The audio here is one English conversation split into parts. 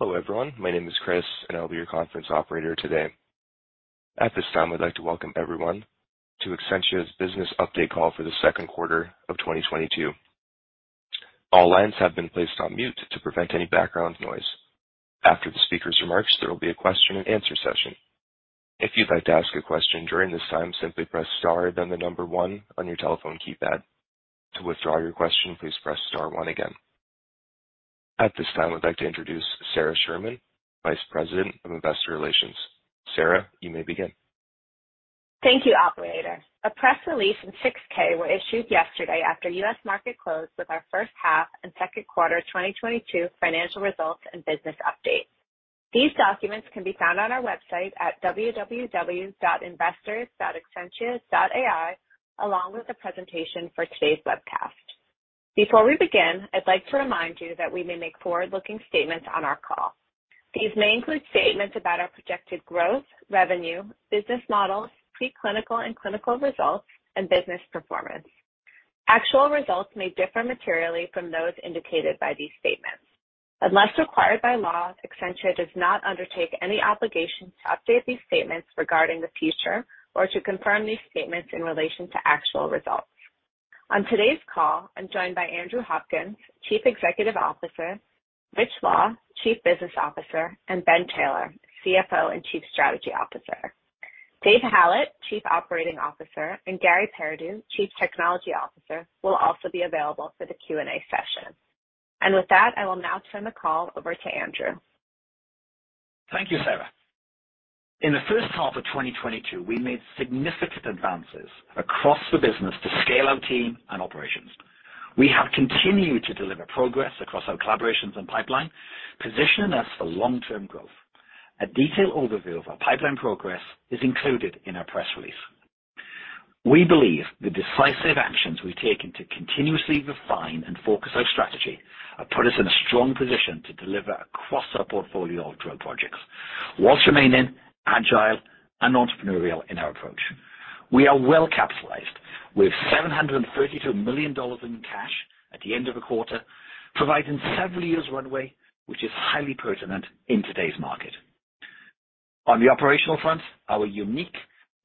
Hello, everyone. My name is Chris, and I'll be your conference operator today. At this time, I'd like to welcome everyone to Exscientia's Business Update Call for the Second Quarter of 2022. All lines have been placed on mute to prevent any background noise. After the speaker's remarks, there will be a question-and-answer session. If you'd like to ask a question during this time, simply press star, then the number one on your telephone keypad. To withdraw your question, please press star one again. At this time, we'd like to introduce Sara Sherman, Vice President of Investor Relations. Sara, you may begin. Thank you, operator. A press release and 6-K were issued yesterday after U.S. market closed with our first half and second quarter 2022 financial results and business update. These documents can be found on our website at www.investors.exscientia.ai, along with the presentation for today's webcast. Before we begin, I'd like to remind you that we may make forward-looking statements on our call. These may include statements about our projected growth, revenue, business models, preclinical and clinical results, and business performance. Actual results may differ materially from those indicated by these statements. Unless required by law, Exscientia does not undertake any obligation to update these statements regarding the future or to confirm these statements in relation to actual results. On today's call, I'm joined by Andrew Hopkins, Chief Executive Officer, Richard Law, Chief Business Officer, and Ben Taylor, CFO and Chief Strategy Officer. David Hallett, Chief Operating Officer, and Garry Pairaudeau, Chief Technology Officer, will also be available for the Q&A session. With that, I will now turn the call over to Andrew. Thank you, Sara. In the first half of 2022, we made significant advances across the business to scale our team and operations. We have continued to deliver progress across our collaborations and pipeline, positioning us for long-term growth. A detailed overview of our pipeline progress is included in our press release. We believe the decisive actions we've taken to continuously refine and focus our strategy have put us in a strong position to deliver across our portfolio of drug projects whilst remaining agile and entrepreneurial in our approach. We are well-capitalized with $732 million in cash at the end of the quarter, providing several years runway, which is highly pertinent in today's market. On the operational front, our unique,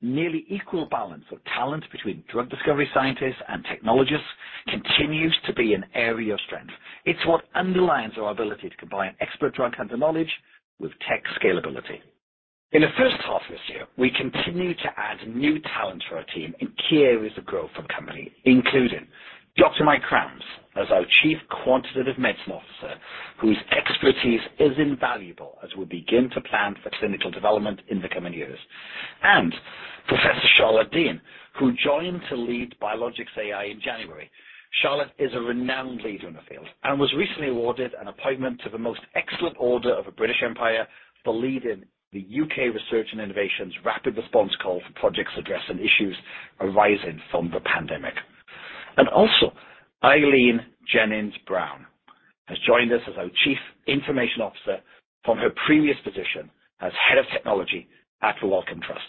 nearly equal balance of talent between drug discovery scientists and technologists continues to be an area of strength. It's what underlines our ability to combine expert drug hunter knowledge with tech scalability. In the first half of this year, we continued to add new talent to our team in key areas of growth for company, including Dr. Mike Krams as our Chief Quantitative Medicine Officer, whose expertise is invaluable as we begin to plan for clinical development in the coming years. Professor Charlotte Deane, who joined to lead Biologics AI in January. Charlotte is a renowned leader in the field and was recently awarded an appointment to the Most Excellent Order of the British Empire for leading the U.K. Research and Innovation's rapid response call for projects addressing issues arising from the pandemic. Aileen Jennings-Brown has joined us as our Chief Information Officer from her previous position as Head of Technology at The Wellcome Trust.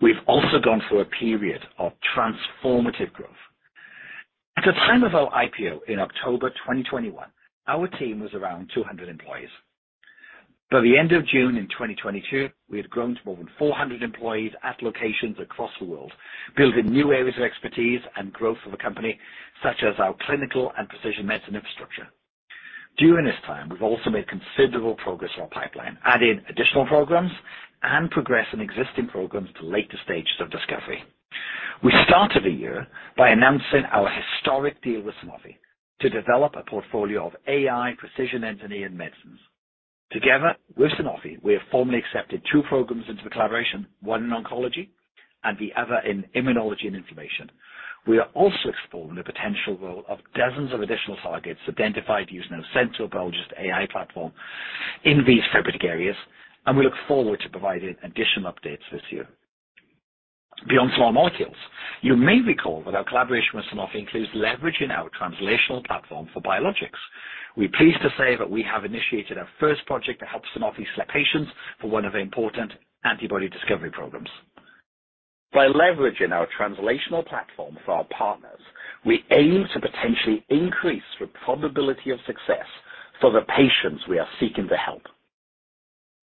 We've also gone through a period of transformative growth. At the time of our IPO in October 2021, our team was around 200 employees. By the end of June in 2022, we had grown to more than 400 employees at locations across the world, building new areas of expertise and growth of the company, such as our clinical and precision medicine infrastructure. During this time, we've also made considerable progress in our pipeline, adding additional programs and progress in existing programs to later stages of discovery. We started the year by announcing our historic deal with Sanofi to develop a portfolio of AI precision-engineered medicines. Together with Sanofi, we have formally accepted two programs into the collaboration, one in oncology and the other in immunology and inflammation. We are also exploring the potential role of dozens of additional targets identified using our central biologist AI platform in these therapeutic areas, and we look forward to providing additional updates this year. Beyond small molecules, you may recall that our collaboration with Sanofi includes leveraging our translational platform for biologics. We're pleased to say that we have initiated our first project to help Sanofi select patients for one of the important antibody discovery programs. By leveraging our translational platform for our partners, we aim to potentially increase the probability of success for the patients we are seeking to help.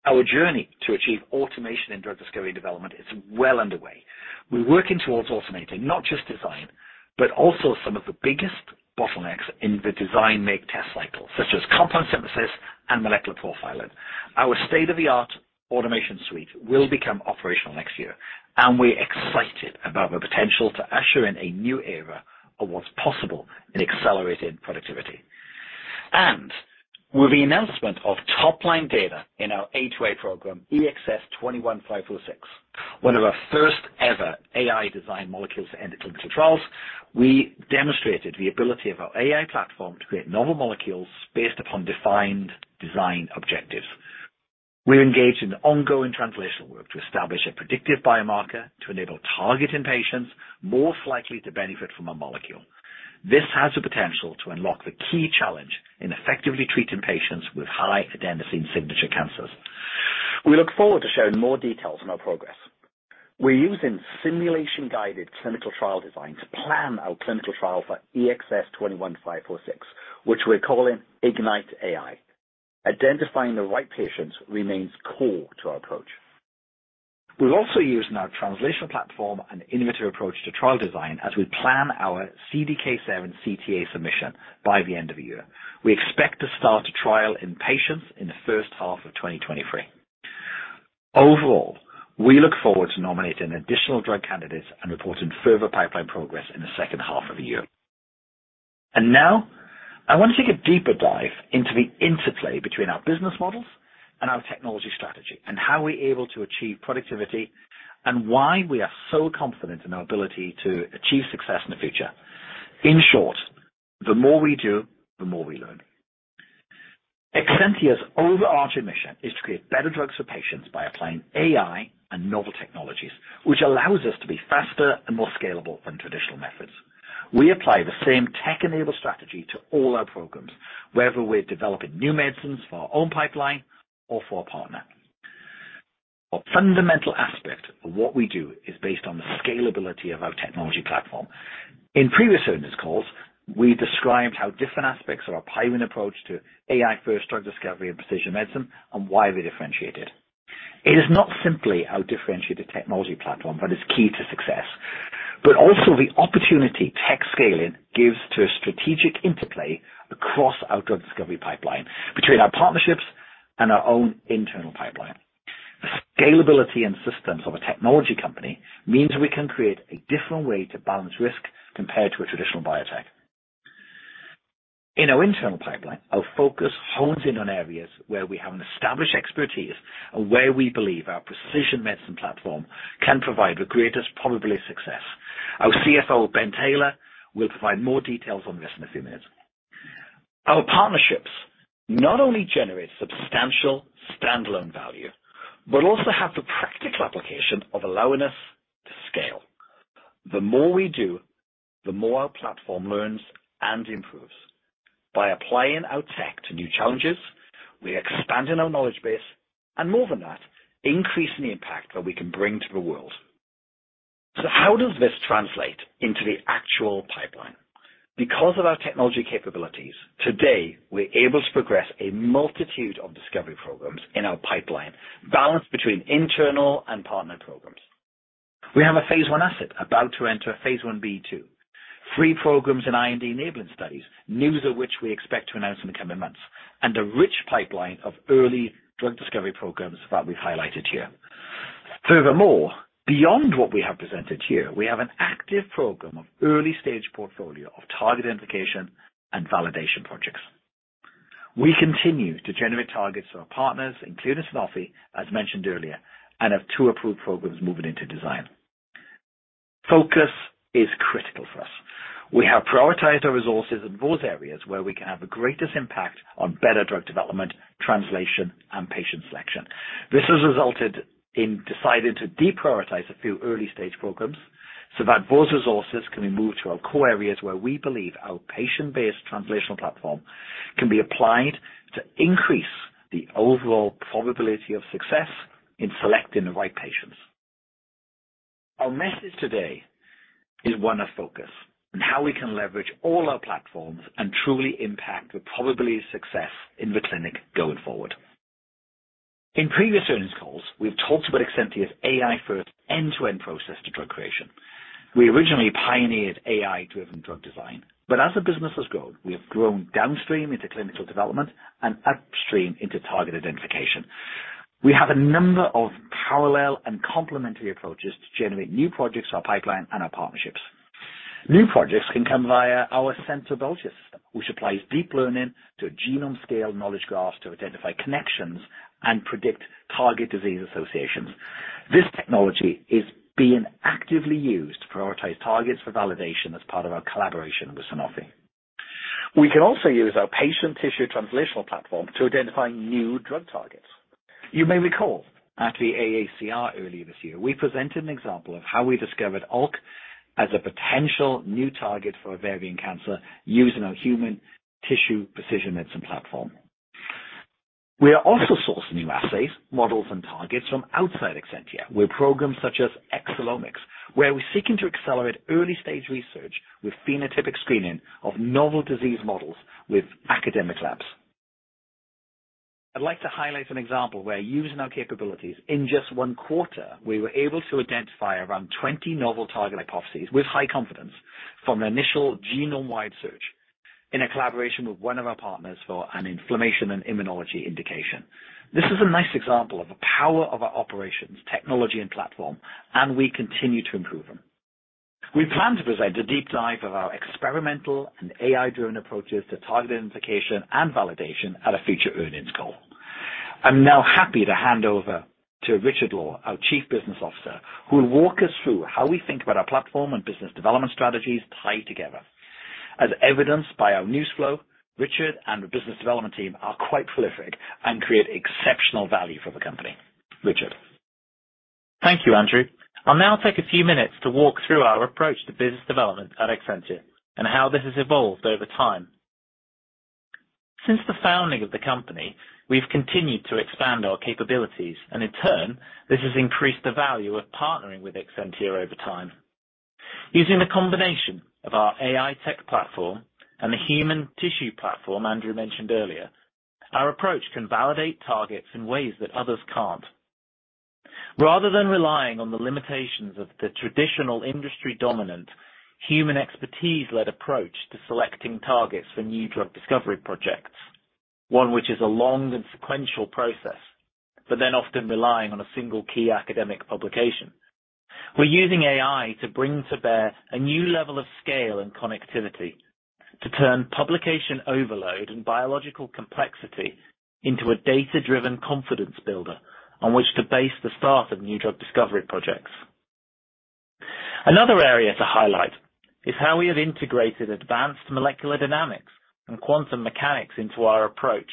Our journey to achieve automation in drug discovery development is well underway. We're working towards automating not just design, but also some of the biggest bottlenecks in the design make test cycle, such as compound synthesis and molecular profiling. Our state-of-the-art automation suite will become operational next year, and we're excited about the potential to usher in a new era of what's possible in accelerated productivity. With the announcement of top-line data in our A2A program, EXS-21546, one of our first ever AI designed molecules to enter clinical trials, we demonstrated the ability of our AI platform to create novel molecules based upon defined design objectives. We're engaged in ongoing translational work to establish a predictive biomarker to enable targeting patients more likely to benefit from a molecule. This has the potential to unlock the key challenge in effectively treating patients with high adenosine signature cancers. We look forward to sharing more details on our progress. We're using simulation-guided clinical trial design to plan our clinical trial for EXS-21546, which we're calling IGNITE-AI. Identifying the right patients remains core to our approach. We're also using our translational platform and innovative approach to trial design as we plan our CDK7 CTA submission by the end of the year. We expect to start a trial in patients in the first half of 2023. Overall, we look forward to nominating additional drug candidates and reporting further pipeline progress in the second half of the year. Now I want to take a deeper dive into the interplay between our business models and our technology strategy and how we're able to achieve productivity and why we are so confident in our ability to achieve success in the future. In short, the more we do, the more we learn. Exscientia's overarching mission is to create better drugs for patients by applying AI and novel technologies, which allows us to be faster and more scalable than traditional methods. We apply the same tech-enabled strategy to all our programs, whether we're developing new medicines for our own pipeline or for a partner. A fundamental aspect of what we do is based on the scalability of our technology platform. In previous earnings calls, we described how different aspects of our pioneering approach to AI first drug discovery and precision medicine and why they're differentiated. It is not simply our differentiated technology platform that is key to success, but also the opportunity tech scaling gives to a strategic interplay across our drug discovery pipeline between our partnerships and our own internal pipeline. The scalability and systems of a technology company means we can create a different way to balance risk compared to a traditional biotech. In our internal pipeline, our focus hones in on areas where we have an established expertise and where we believe our precision medicine platform can provide the greatest probability of success. Our CFO, Ben Taylor, will provide more details on this in a few minutes. Our partnerships not only generate substantial standalone value, but also have the practical application of allowing us to scale. The more we do, the more our platform learns and improves. By applying our tech to new challenges, we're expanding our knowledge base and more than that, increasing the impact that we can bring to the world. How does this translate into the actual pipeline? Because of our technology capabilities, today we're able to progress a multitude of discovery programs in our pipeline balanced between internal and partner programs. We have a phase I asset about to enter a phase I-B, phase II. Three programs in IND-enabling studies, news of which we expect to announce in the coming months, and a rich pipeline of early drug discovery programs that we've highlighted here. Furthermore, beyond what we have presented here, we have an active program of early-stage portfolio of target identification and validation projects. We continue to generate targets for our partners, including Sanofi, as mentioned earlier, and have two approved programs moving into design. Focus is critical for us. We have prioritized our resources in those areas where we can have the greatest impact on better drug development, translation, and patient selection. This has resulted in deciding to deprioritize a few early stage programs so that those resources can be moved to our core areas, where we believe our patient-based translational platform can be applied to increase the overall probability of success in selecting the right patients. Our message today is one of focus and how we can leverage all our platforms and truly impact the probability of success in the clinic going forward. In previous earnings calls, we've talked about Exscientia's AI-first end-to-end process to drug creation. We originally pioneered AI-driven drug design, but as the business has grown, we have grown downstream into clinical development and upstream into target identification. We have a number of parallel and complementary approaches to generate new projects, our pipeline and our partnerships. New projects can come via our Centaur AI system, which applies deep learning to genome-scale knowledge graphs to identify connections and predict target disease associations. This technology is being actively used to prioritize targets for validation as part of our collaboration with Sanofi. We can also use our patient tissue translational platform to identify new drug targets. You may recall at the AACR earlier this year, we presented an example of how we discovered ALK as a potential new target for ovarian cancer using our human tissue precision medicine platform. We are also sourcing new assays, models, and targets from outside Exscientia with programs such as Xcellomics, where we're seeking to accelerate early-stage research with phenotypic screening of novel disease models with academic labs. I'd like to highlight an example where using our capabilities in just one quarter, we were able to identify around 20 novel target hypotheses with high confidence from an initial genome-wide search in a collaboration with one of our partners for an inflammation and immunology indication. This is a nice example of the power of our operations, technology, and platform, and we continue to improve them. We plan to present a deep dive of our experimental and AI-driven approaches to target identification and validation at a future earnings call. I'm now happy to hand over to Richard Law, our Chief Business Officer, who will walk us through how we think about our platform and business development strategies tied together. As evidenced by our news flow, Richard and the business development team are quite prolific and create exceptional value for the company. Richard. Thank you, Andrew. I'll now take a few minutes to walk through our approach to business development at Exscientia and how this has evolved over time. Since the founding of the company, we've continued to expand our capabilities, and in turn, this has increased the value of partnering with Exscientia over time. Using the combination of our AI tech platform and the human tissue platform Andrew mentioned earlier, our approach can validate targets in ways that others can't. Rather than relying on the limitations of the traditional industry-dominant human expertise-led approach to selecting targets for new drug discovery projects, one which is a long and sequential process, but then often relying on a single key academic publication. We're using AI to bring to bear a new level of scale and connectivity to turn publication overload and biological complexity into a data-driven confidence builder on which to base the start of new drug discovery projects. Another area to highlight is how we have integrated advanced molecular dynamics and quantum mechanics into our approach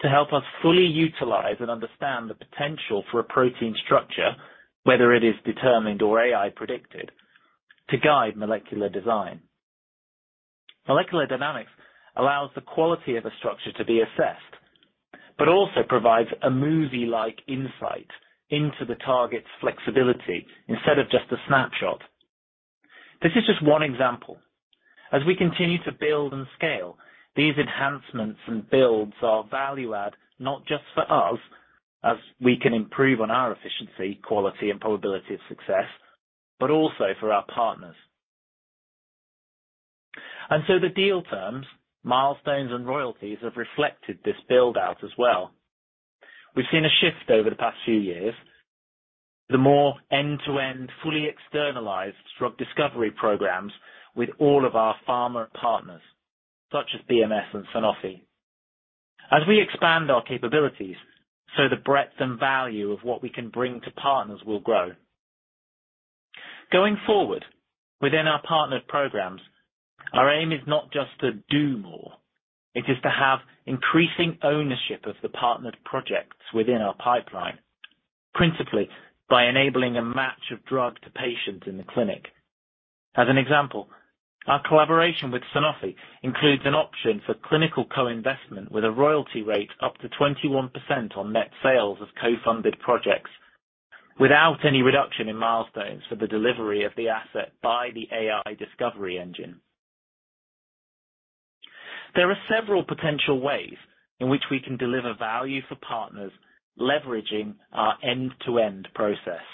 to help us fully utilize and understand the potential for a protein structure, whether it is determined or AI predicted, to guide molecular design. Molecular dynamics allows the quality of a structure to be assessed, but also provides a movie-like insight into the target's flexibility instead of just a snapshot. This is just one example. As we continue to build and scale, these enhancements and builds are value add, not just for us, as we can improve on our efficiency, quality, and probability of success, but also for our partners. The deal terms, milestones, and royalties have reflected this build-out as well. We've seen a shift over the past few years, to more end-to-end, fully externalized drug discovery programs with all of our pharma partners such as BMS and Sanofi. As we expand our capabilities, so the breadth and value of what we can bring to partners will grow. Going forward, within our partnered programs, our aim is not just to do more. It is to have increasing ownership of the partnered projects within our pipeline, principally by enabling a match of drug to patients in the clinic. As an example, our collaboration with Sanofi includes an option for clinical co-investment with a royalty rate up to 21% on net sales of co-funded projects without any reduction in milestones for the delivery of the asset by the AI discovery engine. There are several potential ways in which we can deliver value for partners leveraging our end-to-end process.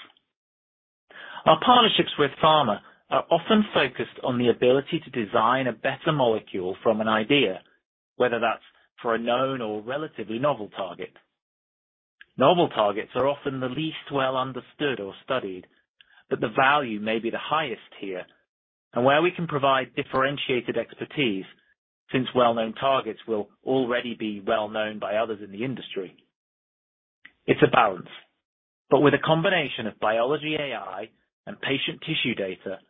Our partnerships with pharma are often focused on the ability to design a better molecule from an idea, whether that's for a known or relatively novel target. Novel targets are often the least well understood or studied, but the value may be the highest here and where we can provide differentiated expertise, since well-known targets will already be well-known by others in the industry. It's a balance, but with a combination of biology, AI, and patient tissue data,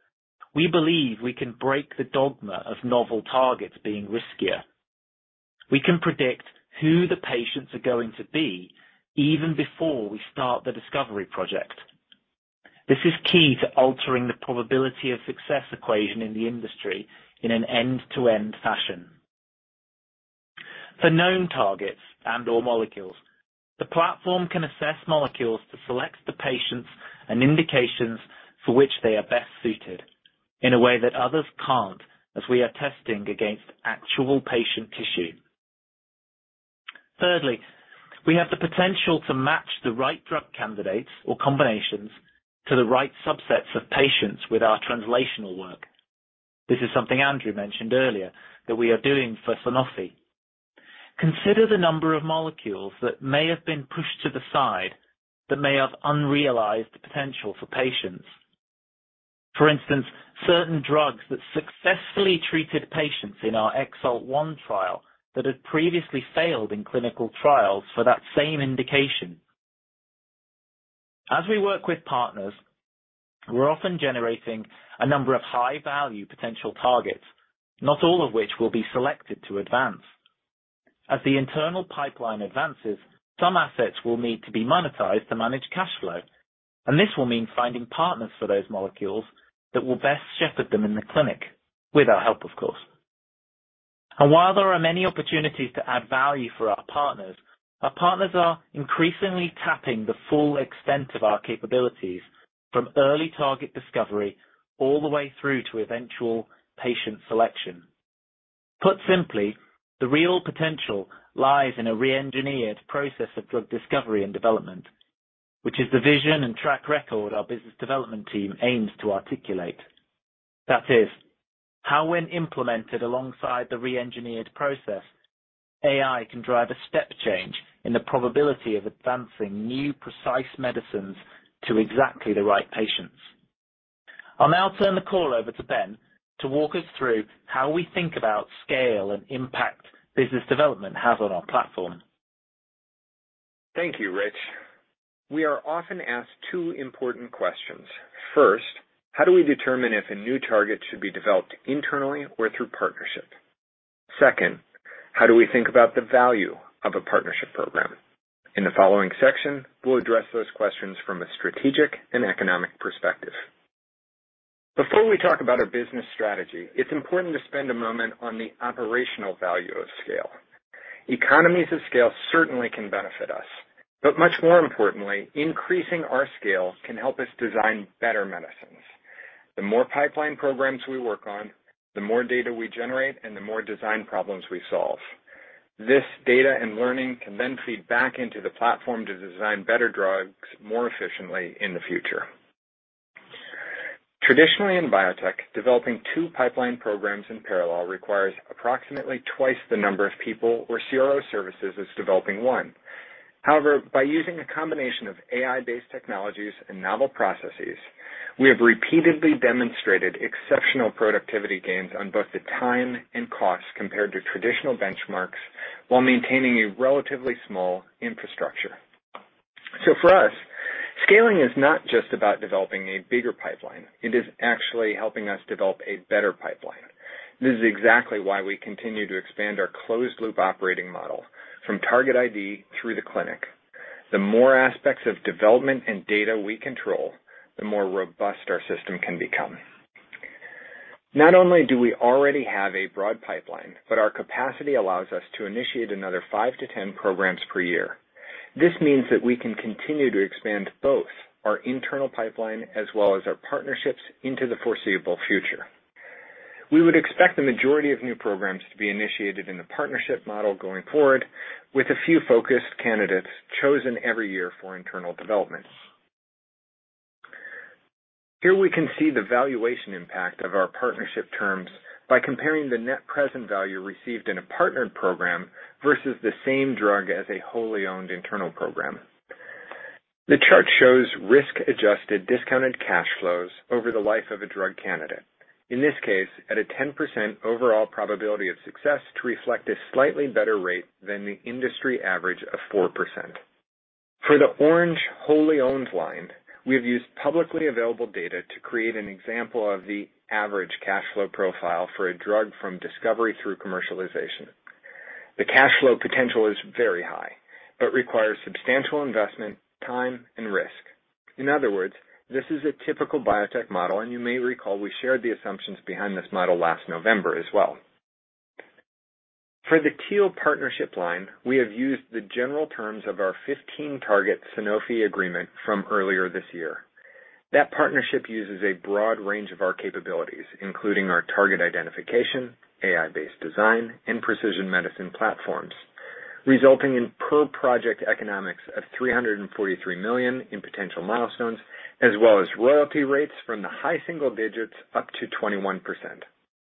we believe we can break the dogma of novel targets being riskier. We can predict who the patients are going to be even before we start the discovery project. This is key to altering the probability of success equation in the industry in an end-to-end fashion. For known targets and/or molecules, the platform can assess molecules to select the patients and indications for which they are best suited in a way that others can't, as we are testing against actual patient tissue. Thirdly, we have the potential to match the right drug candidates or combinations to the right subsets of patients with our translational work. This is something Andrew mentioned earlier that we are doing for Sanofi. Consider the number of molecules that may have been pushed to the side that may have unrealized potential for patients. For instance, certain drugs that successfully treated patients in our EXALT-1 trial that had previously failed in clinical trials for that same indication. As we work with partners, we're often generating a number of high-value potential targets, not all of which will be selected to advance. As the internal pipeline advances, some assets will need to be monetized to manage cash flow, and this will mean finding partners for those molecules that will best shepherd them in the clinic with our help, of course. While there are many opportunities to add value for our partners, our partners are increasingly tapping the full extent of our capabilities from early target discovery all the way through to eventual patient selection. Put simply, the real potential lies in a re-engineered process of drug discovery and development, which is the vision and track record our business development team aims to articulate. That is, how when implemented alongside the re-engineered process, AI can drive a step change in the probability of advancing new precise medicines to exactly the right patients. I'll now turn the call over to Ben to walk us through how we think about scale and impact business development has on our platform. Thank you, Rich. We are often asked two important questions. First, how do we determine if a new target should be developed internally or through partnership? Second, how do we think about the value of a partnership program? In the following section, we'll address those questions from a strategic and economic perspective. Before we talk about our business strategy, it's important to spend a moment on the operational value of scale. Economies of scale certainly can benefit us, but much more importantly, increasing our scale can help us design better medicines. The more pipeline programs we work on, the more data we generate and the more design problems we solve. This data and learning can then feed back into the platform to design better drugs more efficiently in the future. Traditionally, in biotech, developing two pipeline programs in parallel requires approximately twice the number of people or CRO services as developing one. However, by using a combination of AI-based technologies and novel processes, we have repeatedly demonstrated exceptional productivity gains on both the time and cost compared to traditional benchmarks, while maintaining a relatively small infrastructure. For us, scaling is not just about developing a bigger pipeline, it is actually helping us develop a better pipeline. This is exactly why we continue to expand our closed loop operating model from target ID through the clinic. The more aspects of development and data we control, the more robust our system can become. Not only do we already have a broad pipeline, but our capacity allows us to initiate another five to 10 programs per year. This means that we can continue to expand both our internal pipeline as well as our partnerships into the foreseeable future. We would expect the majority of new programs to be initiated in the partnership model going forward, with a few focused candidates chosen every year for internal development. Here we can see the valuation impact of our partnership terms by comparing the net present value received in a partnered program versus the same drug as a wholly owned internal program. The chart shows risk-adjusted discounted cash flows over the life of a drug candidate, in this case, at a 10% overall probability of success to reflect a slightly better rate than the industry average of 4%. For the orange wholly owned line, we have used publicly available data to create an example of the average cash flow profile for a drug from discovery through commercialization. The cash flow potential is very high, but requires substantial investment, time, and risk. In other words, this is a typical biotech model, and you may recall we shared the assumptions behind this model last November as well. For the deal partnership line, we have used the general terms of our 15-target Sanofi agreement from earlier this year. That partnership uses a broad range of our capabilities, including our target identification, AI-based design, and precision medicine platforms, resulting in per project economics of $343 million in potential milestones as well as royalty rates from the high single digits up to 21%.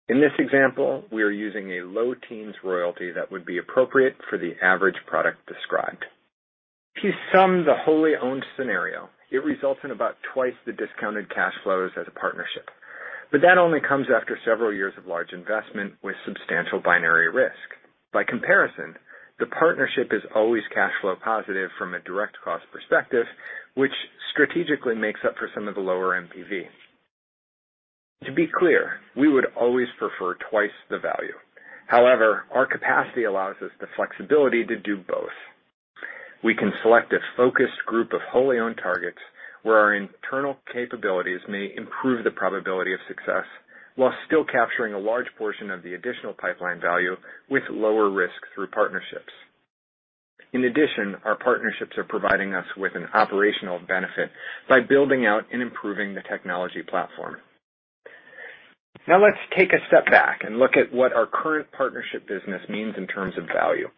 In this example, we are using a low teens royalty that would be appropriate for the average product described. To sum the wholly owned scenario, it results in about twice the discounted cash flows as a partnership, but that only comes after several years of large investment with substantial binary risk. By comparison, the partnership is always cash flow positive from a direct cost perspective, which strategically makes up for some of the lower NPV. To be clear, we would always prefer twice the value. However, our capacity allows us the flexibility to do both. We can select a focused group of wholly owned targets where our internal capabilities may improve the probability of success, while still capturing a large portion of the additional pipeline value with lower risk through partnerships. In addition, our partnerships are providing us with an operational benefit by building out and improving the technology platform. Now, let's take a step back and look at what our current partnership business means in terms of value.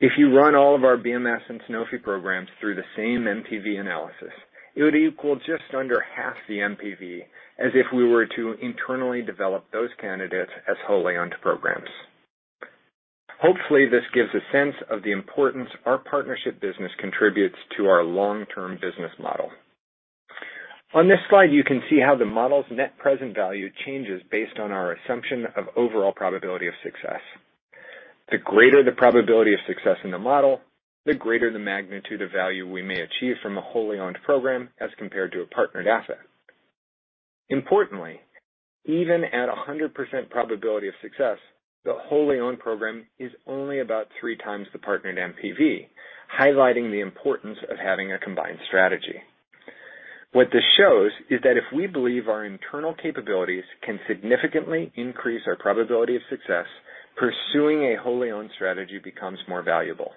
If you run all of our BMS and Sanofi programs through the same NPV analysis, it would equal just under half the NPV as if we were to internally develop those candidates as wholly owned programs. Hopefully, this gives a sense of the importance our partnership business contributes to our long-term business model. On this slide, you can see how the model's net present value changes based on our assumption of overall probability of success. The greater the probability of success in the model, the greater the magnitude of value we may achieve from a wholly owned program as compared to a partnered asset. Importantly, even at 100% probability of success, the wholly owned program is only about three times the partnered NPV, highlighting the importance of having a combined strategy. What this shows is that if we believe our internal capabilities can significantly increase our probability of success, pursuing a wholly owned strategy becomes more valuable.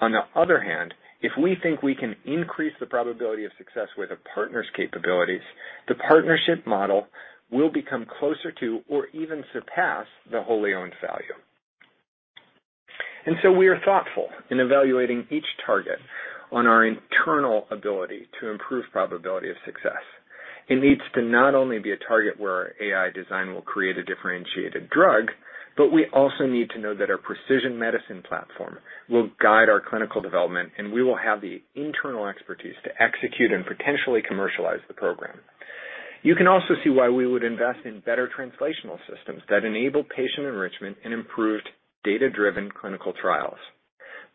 On the other hand, if we think we can increase the probability of success with a partner's capabilities, the partnership model will become closer to or even surpass the wholly owned value. We are thoughtful in evaluating each target on our internal ability to improve probability of success. It needs to not only be a target where our AI design will create a differentiated drug, but we also need to know that our precision medicine platform will guide our clinical development, and we will have the internal expertise to execute and potentially commercialize the program. You can also see why we would invest in better translational systems that enable patient enrichment and improved data-driven clinical trials.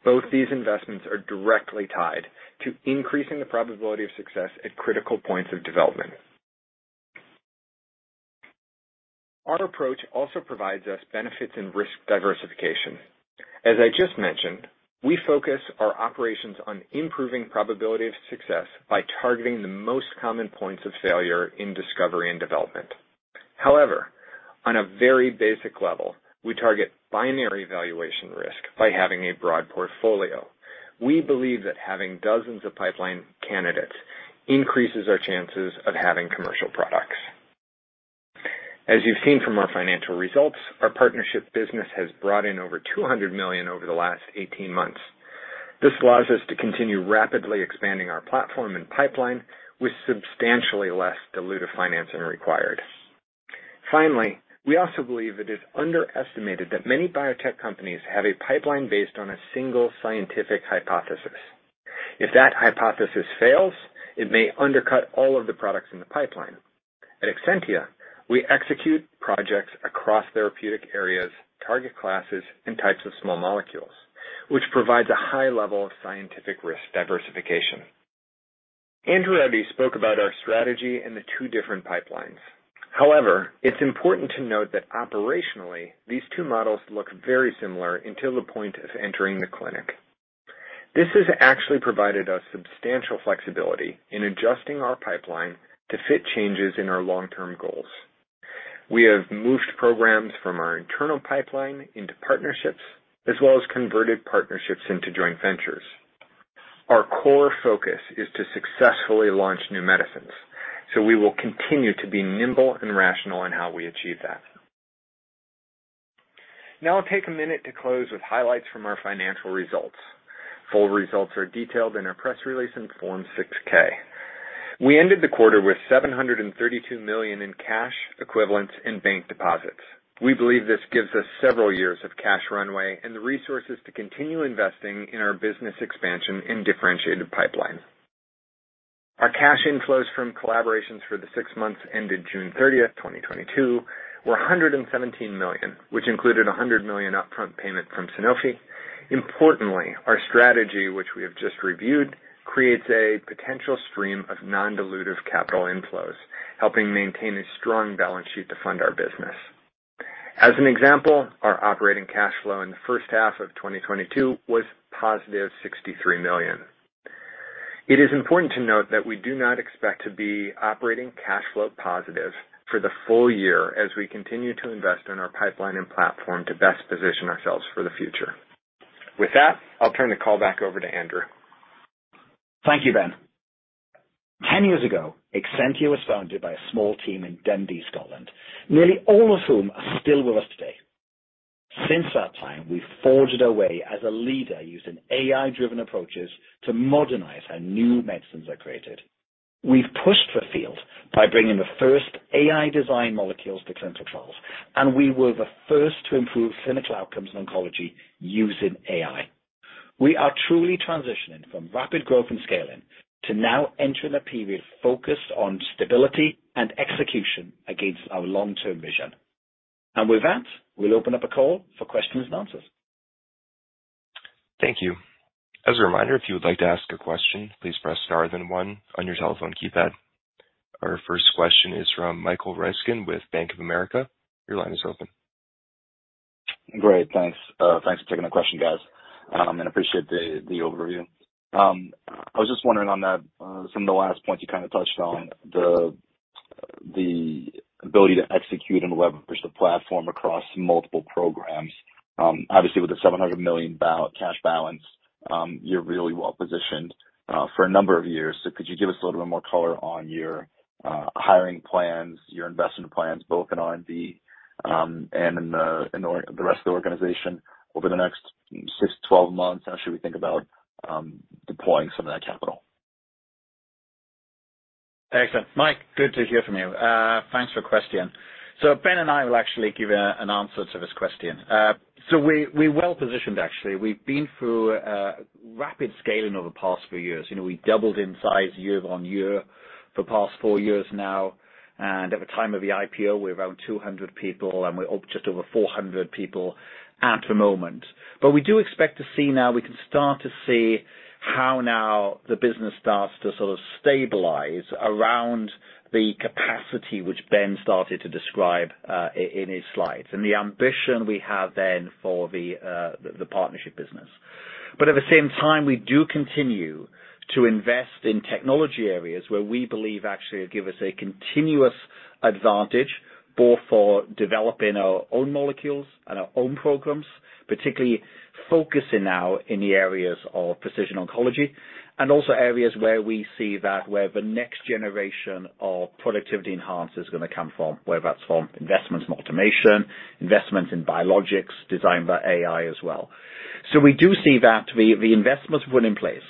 Both these investments are directly tied to increasing the probability of success at critical points of development. Our approach also provides us benefits and risk diversification. As I just mentioned, we focus our operations on improving probability of success by targeting the most common points of failure in discovery and development. However, on a very basic level, we target binary valuation risk by having a broad portfolio. We believe that having dozens of pipeline candidates increases our chances of having commercial products. As you've seen from our financial results, our partnership business has brought in over $200 million over the last 18 months. This allows us to continue rapidly expanding our platform and pipeline with substantially less dilutive financing required. Finally, we also believe it is underestimated that many biotech companies have a pipeline based on a single scientific hypothesis. If that hypothesis fails, it may undercut all of the products in the pipeline. At Exscientia, we execute projects across therapeutic areas, target classes, and types of small molecules, which provides a high level of scientific risk diversification. Andrew Hopkins spoke about our strategy and the two different pipelines. However, it's important to note that operationally, these two models look very similar until the point of entering the clinic. This has actually provided us substantial flexibility in adjusting our pipeline to fit changes in our long-term goals. We have moved programs from our internal pipeline into partnerships, as well as converted partnerships into joint ventures. Our core focus is to successfully launch new medicines, so we will continue to be nimble and rational in how we achieve that. Now I'll take a minute to close with highlights from our financial results. Full results are detailed in our press release in Form 6-K. We ended the quarter with $732 million in cash equivalents in bank deposits. We believe this gives us several years of cash runway and the resources to continue investing in our business expansion in differentiated pipeline. Our cash inflows from collaborations for the six months ended June 30th, 2022 were $117 million, which included a $100 million upfront payment from Sanofi. Importantly, our strategy, which we have just reviewed, creates a potential stream of non-dilutive capital inflows, helping maintain a strong balance sheet to fund our business. As an example, our operating cash flow in the first half of 2022 was positive $63 million. It is important to note that we do not expect to be operating cash flow positive for the full year as we continue to invest in our pipeline and platform to best position ourselves for the future. With that, I'll turn the call back over to Andrew. Thank you, Ben. 10 years ago, Exscientia was founded by a small team in Dundee, Scotland, nearly all of whom are still with us today. Since that time, we've forged our way as a leader using AI-driven approaches to modernize how new medicines are created. We've pushed the field by bringing the first AI design molecules to clinical trials, and we were the first to improve clinical outcomes in oncology using AI. We are truly transitioning from rapid growth and scaling to now entering a period focused on stability and execution against our long-term vision. With that, we'll open up a call for questions and answers. Thank you. As a reminder, if you would like to ask a question, please press star then one on your telephone keypad. Our first question is from Michael Ryskin with Bank of America. Your line is open. Great. Thanks. Thanks for taking the question, guys, and appreciate the overview. I was just wondering on that, some of the last points you kinda touched on the ability to execute and leverage the platform across multiple programs. Obviously, with the $700 million cash balance, you're really well-positioned for a number of years. Could you give us a little bit more color on your hiring plans, your investment plans, both in R&D and in the rest of the organization over the next six to 12 months? How should we think about deploying some of that capital? Excellent. Mike, good to hear from you. Thanks for your question. Ben and I will actually give an answer to this question. We're well positioned, actually. We've been through rapid scaling over the past few years. You know, we doubled in size year on year for the past four years now. At the time of the IPO, we were around 200 people, and we're just over 400 people at the moment. We do expect to see. Now we can start to see how the business starts to sort of stabilize around the capacity which Ben started to describe in his slides and the ambition we have then for the partnership business. At the same time, we do continue to invest in technology areas where we believe actually it'll give us a continuous advantage, both for developing our own molecules and our own programs, particularly focusing now in the areas of precision oncology and also areas where we see that the next generation of productivity enhancement is gonna come from, whether that's from investments in automation, investments in biologics designed by AI as well. We do see that the investments we put in place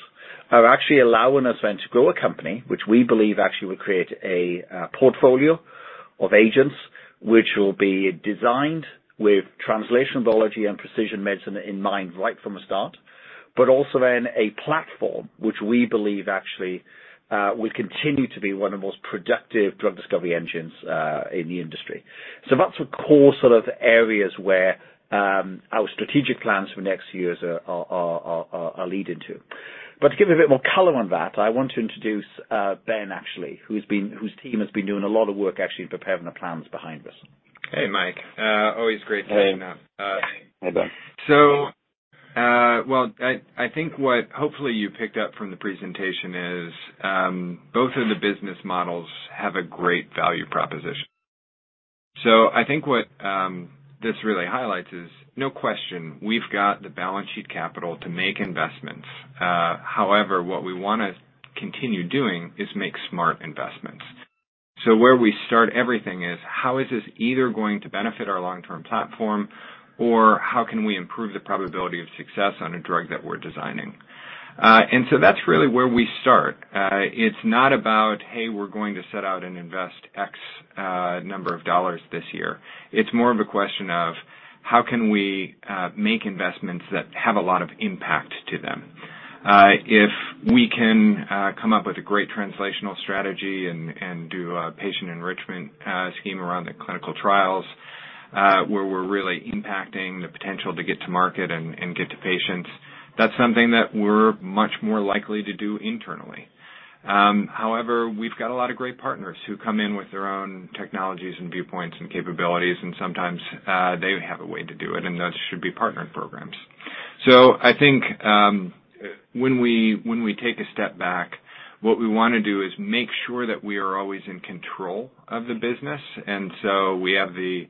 are actually allowing us then to grow a company which we believe actually will create a portfolio of agents which will be designed with translation biology and precision medicine in mind right from the start, but also then a platform which we believe actually will continue to be one of the most productive drug discovery engines in the industry. That's the core sort of areas where our strategic plans for next years are leading to. To give you a bit more color on that, I want to introduce Ben, actually, whose team has been doing a lot of work actually in preparing the plans behind this. Hey, Mike. Always great seeing you. Hey. Hi, Ben. Well, I think what hopefully you picked up from the presentation is, both of the business models have a great value proposition. I think what this really highlights is, no question, we've got the balance sheet capital to make investments. However, what we wanna continue doing is make smart investments. Where we start everything is how is this either going to benefit our long-term platform or how can we improve the probability of success on a drug that we're designing? That's really where we start. It's not about, hey, we're going to set out and invest X number of dollars this year. It's more of a question of how can we make investments that have a lot of impact to them. If we can come up with a great translational strategy and do a patient enrichment scheme around the clinical trials, where we're really impacting the potential to get to market and get to patients, that's something that we're much more likely to do internally. However, we've got a lot of great partners who come in with their own technologies and viewpoints and capabilities, and sometimes they have a way to do it, and those should be partnered programs. I think, when we take a step back, what we wanna do is make sure that we are always in control of the business. We have the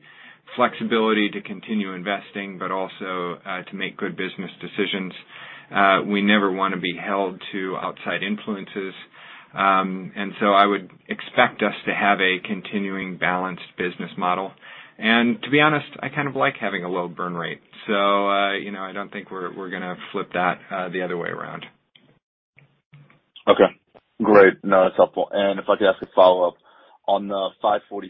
flexibility to continue investing, but also to make good business decisions. We never wanna be held to outside influences. I would expect us to have a continuing balanced business model. To be honest, I kind of like having a low burn rate. You know, I don't think we're gonna flip that the other way around. Okay. Great. No, that's helpful. If I could ask a follow-up. On the EXS-21546,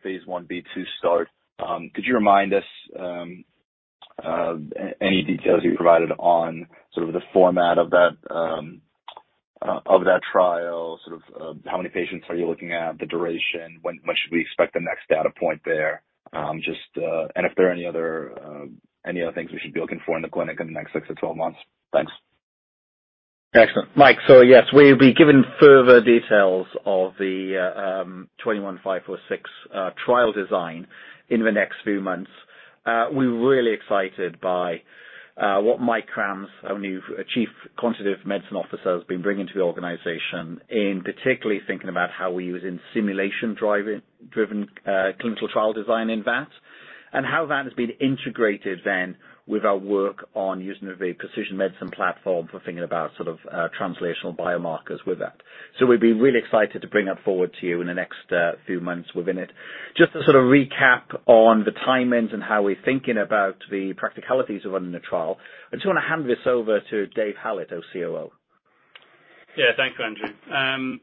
phase I-B/ phase II start, could you remind us any details you provided on sort of the format of that trial, sort of, how many patients are you looking at, the duration? When should we expect the next data point there? And if there are any other things we should be looking for in the clinic in the next six or 12 months? Thanks. Excellent. Mike, yes, we'll be giving further details of the EXS-21546 trial design in the next few months. We're really excited by what Mike Krams, our new Chief Quantitative Medicine Officer, has been bringing to the organization in particular thinking about how we're using simulation-driven clinical trial design in that, and how that has been integrated then with our work on using the precision medicine platform for thinking about sort of translational biomarkers with that. We've been really excited to bring that forward to you in the next few months within it. Just to sort of recap on the timings and how we're thinking about the practicalities of running the trial, I just wanna hand this over to David Hallett, our COO. Yeah. Thank you, Andrew.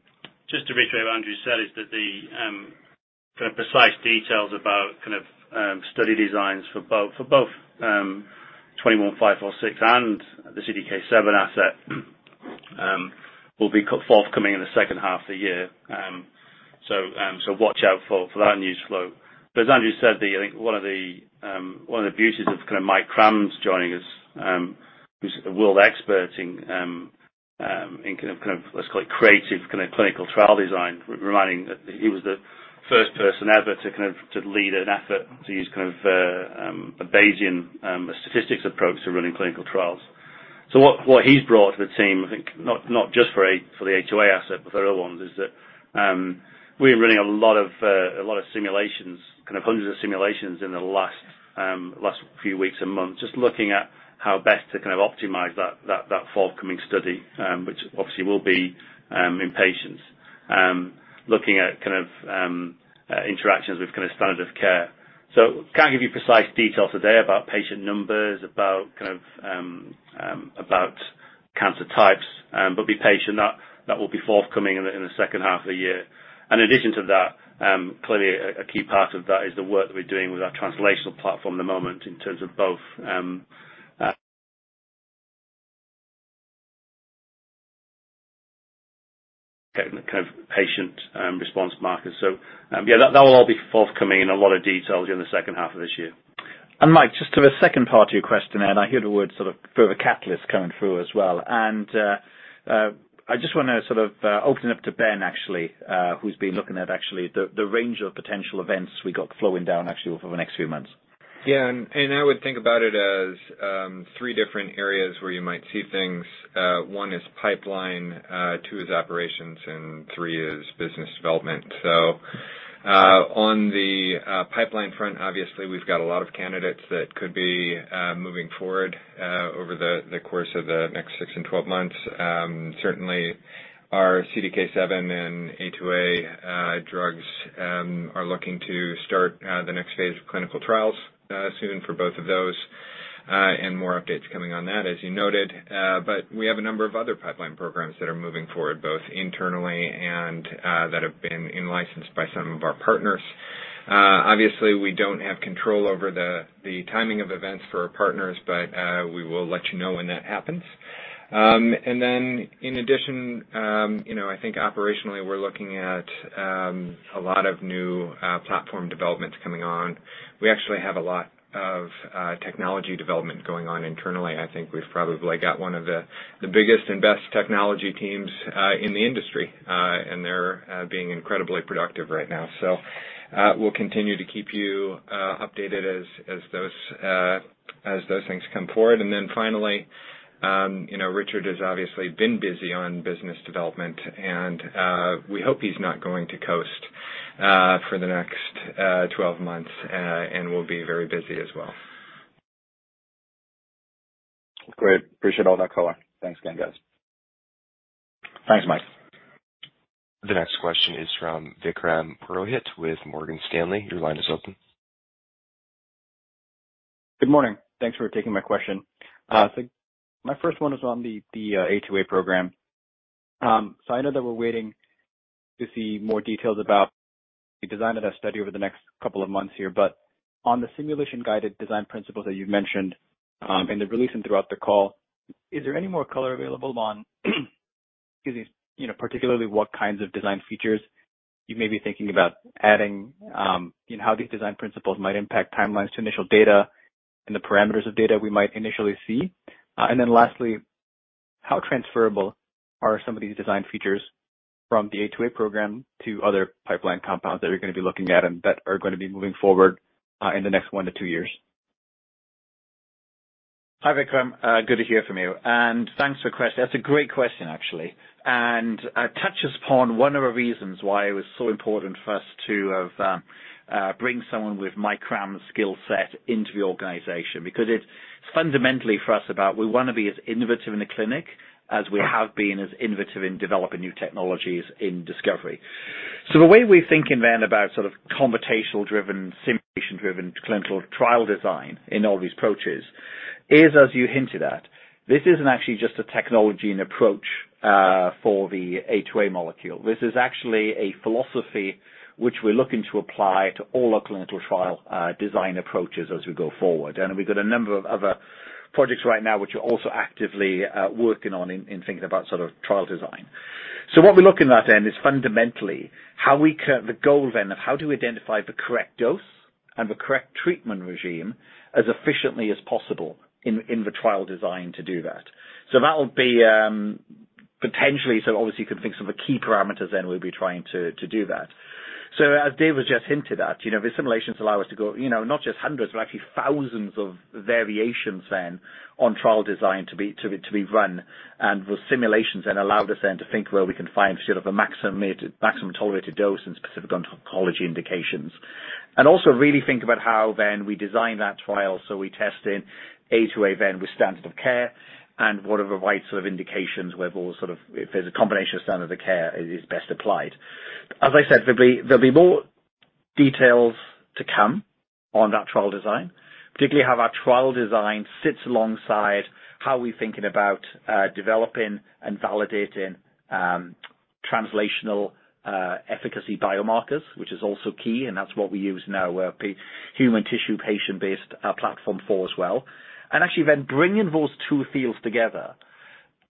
Just to reiterate what Andrew said is that the precise details about kind of study designs for both EXS-21546 and the CDK7 asset will be forthcoming in the second half of the year. Watch out for that news flow. As Andrew said, I think one of the beauties of kind of Mike Krams joining us, who's a world expert in kind of creative kind of clinical trial design. Reminding that he was the first person ever to lead an effort to use a Bayesian statistics approach to running clinical trials. What he's brought to the team, I think not just for the A2A asset, but for other ones, is that we've been running a lot of simulations, kind of hundreds of simulations in the last few weeks and months, just looking at how best to kind of optimize that forthcoming study, which obviously will be in patients, looking at kind of interactions with kind of standard of care. Can't give you precise detail today about patient numbers, about kind of cancer types, but be patient. That will be forthcoming in the second half of the year. In addition to that, clearly a key part of that is the work that we're doing with our translational platform at the moment in terms of both getting the kind of patient response markers. Yeah, that will all be forthcoming in a lot of details in the second half of this year. Mike, just to the second part of your question, and I hear the word sort of further catalyst coming through as well. I just wanna sort of open it up to Ben actually, who's been looking at actually the range of potential events we got flowing down actually over the next few months. I would think about it as three different areas where you might see things. One is pipeline, two is operations, and three is business development. On the pipeline front, obviously we've got a lot of candidates that could be moving forward over the course of the next six and 12 months. Certainly our CDK7 and A2A drugs are looking to start the next phase of clinical trials soon for both of those, and more updates coming on that as you noted. We have a number of other pipeline programs that are moving forward both internally and that have been in-licensed by some of our partners. Obviously we don't have control over the timing of events for our partners, but we will let you know when that happens. In addition, you know, I think operationally we're looking at a lot of new platform developments coming on. We actually have a lot of technology development going on internally. I think we've probably got one of the biggest and best technology teams in the industry, and they're being incredibly productive right now. We'll continue to keep you updated as those things come forward. Finally, you know, Richard has obviously been busy on business development and we hope he's not going to coast for the next 12 months and will be very busy as well. Great. Appreciate all that color. Thanks again, guys. Thanks, Mike. The next question is from Vikram Purohit with Morgan Stanley. Your line is open. Good morning. Thanks for taking my question. My first one is on the A2A program. I know that we're waiting to see more details about the design of that study over the next couple of months here. On the simulation guided design principles that you've mentioned and you're releasing throughout the call, is there any more color available on, excuse me, you know, particularly what kinds of design features you may be thinking about adding and how these design principles might impact timelines to initial data and the parameters of data we might initially see? Lastly, how transferable are some of these design features from the A2A program to other pipeline compounds that you're gonna be looking at and that are gonna be moving forward in the next one to two years? Hi, Vikram. Good to hear from you, and thanks for the question. That's a great question actually, and touches upon one of the reasons why it was so important for us to have bring someone with Mike Krams's skill set into the organization, because it's fundamentally for us about we wanna be as innovative in the clinic as we have been as innovative in developing new technologies in discovery. The way we're thinking then about sort of computational driven, simulation driven clinical trial design in all these approaches is, as you hinted at, this isn't actually just a technology and approach for the A2A molecule. This is actually a philosophy which we're looking to apply to all our clinical trial design approaches as we go forward. We've got a number of other projects right now which we're also actively working on in thinking about sort of trial design. What we're looking at then is fundamentally how we the goal then of how do we identify the correct dose and the correct treatment regime as efficiently as possible in the trial design to do that. That'll be potentially, obviously you can think some of the key parameters then we'll be trying to do that. As Dave has just hinted at, you know, the simulations allow us to go, you know, not just hundreds, but actually thousands of variations then on trial design to be run. With simulations then allowed us then to think where we can find sort of a maximum tolerated dose in specific oncology indications. Also really think about how then we design that trial so we test in A2A then with standard of care and what are the right sort of indications where all sort of if there's a combination of standard of care is best applied. As I said, there'll be more details to come on that trial design, particularly how our trial design sits alongside how we're thinking about developing and validating translational efficacy biomarkers, which is also key, and that's what we use in our human tissue patient-based platform for as well. Actually then bringing those two fields together,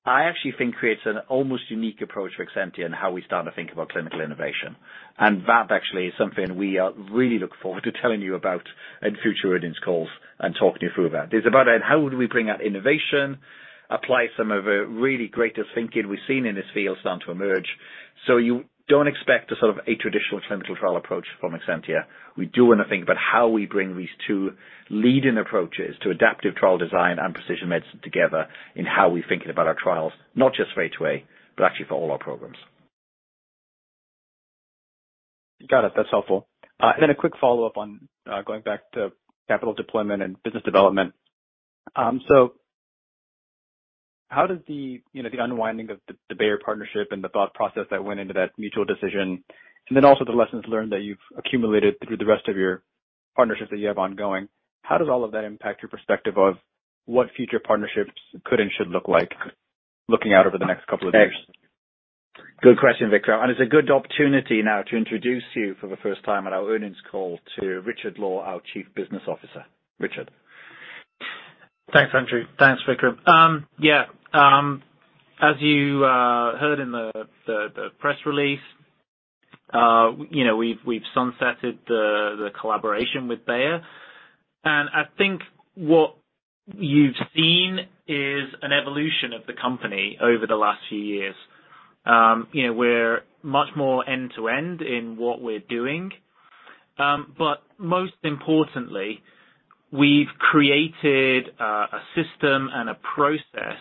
I actually think creates an almost unique approach for Exscientia in how we start to think about clinical innovation. That actually is something we really look forward to telling you about in future earnings calls and talking you through that. It's about then how would we bring that innovation, apply some of the really greatest thinking we've seen in this field start to emerge. You don't expect a sort of a traditional clinical trial approach from Exscientia. We do wanna think about how we bring these two leading approaches to adaptive trial design and precision medicine together in how we're thinking about our trials, not just for A2A, but actually for all our programs. Got it. That's helpful. A quick follow-up on going back to capital deployment and business development. How does the unwinding of the Bayer partnership and the thought process that went into that mutual decision, and the lessons learned that you've accumulated through the rest of your partnerships that you have ongoing, impact your perspective of what future partnerships could and should look like looking out over the next couple of years? Good question, Vikram, and it's a good opportunity now to introduce you for the first time at our earnings call to Richard Law, our Chief Business Officer. Richard. Thanks, Andrew. Thanks, Vikram. Yeah, as you heard in the press release, you know, we've sunsetted the collaboration with Bayer. I think what you've seen is an evolution of the company over the last few years. You know, we're much more end to end in what we're doing. Most importantly, we've created a system and a process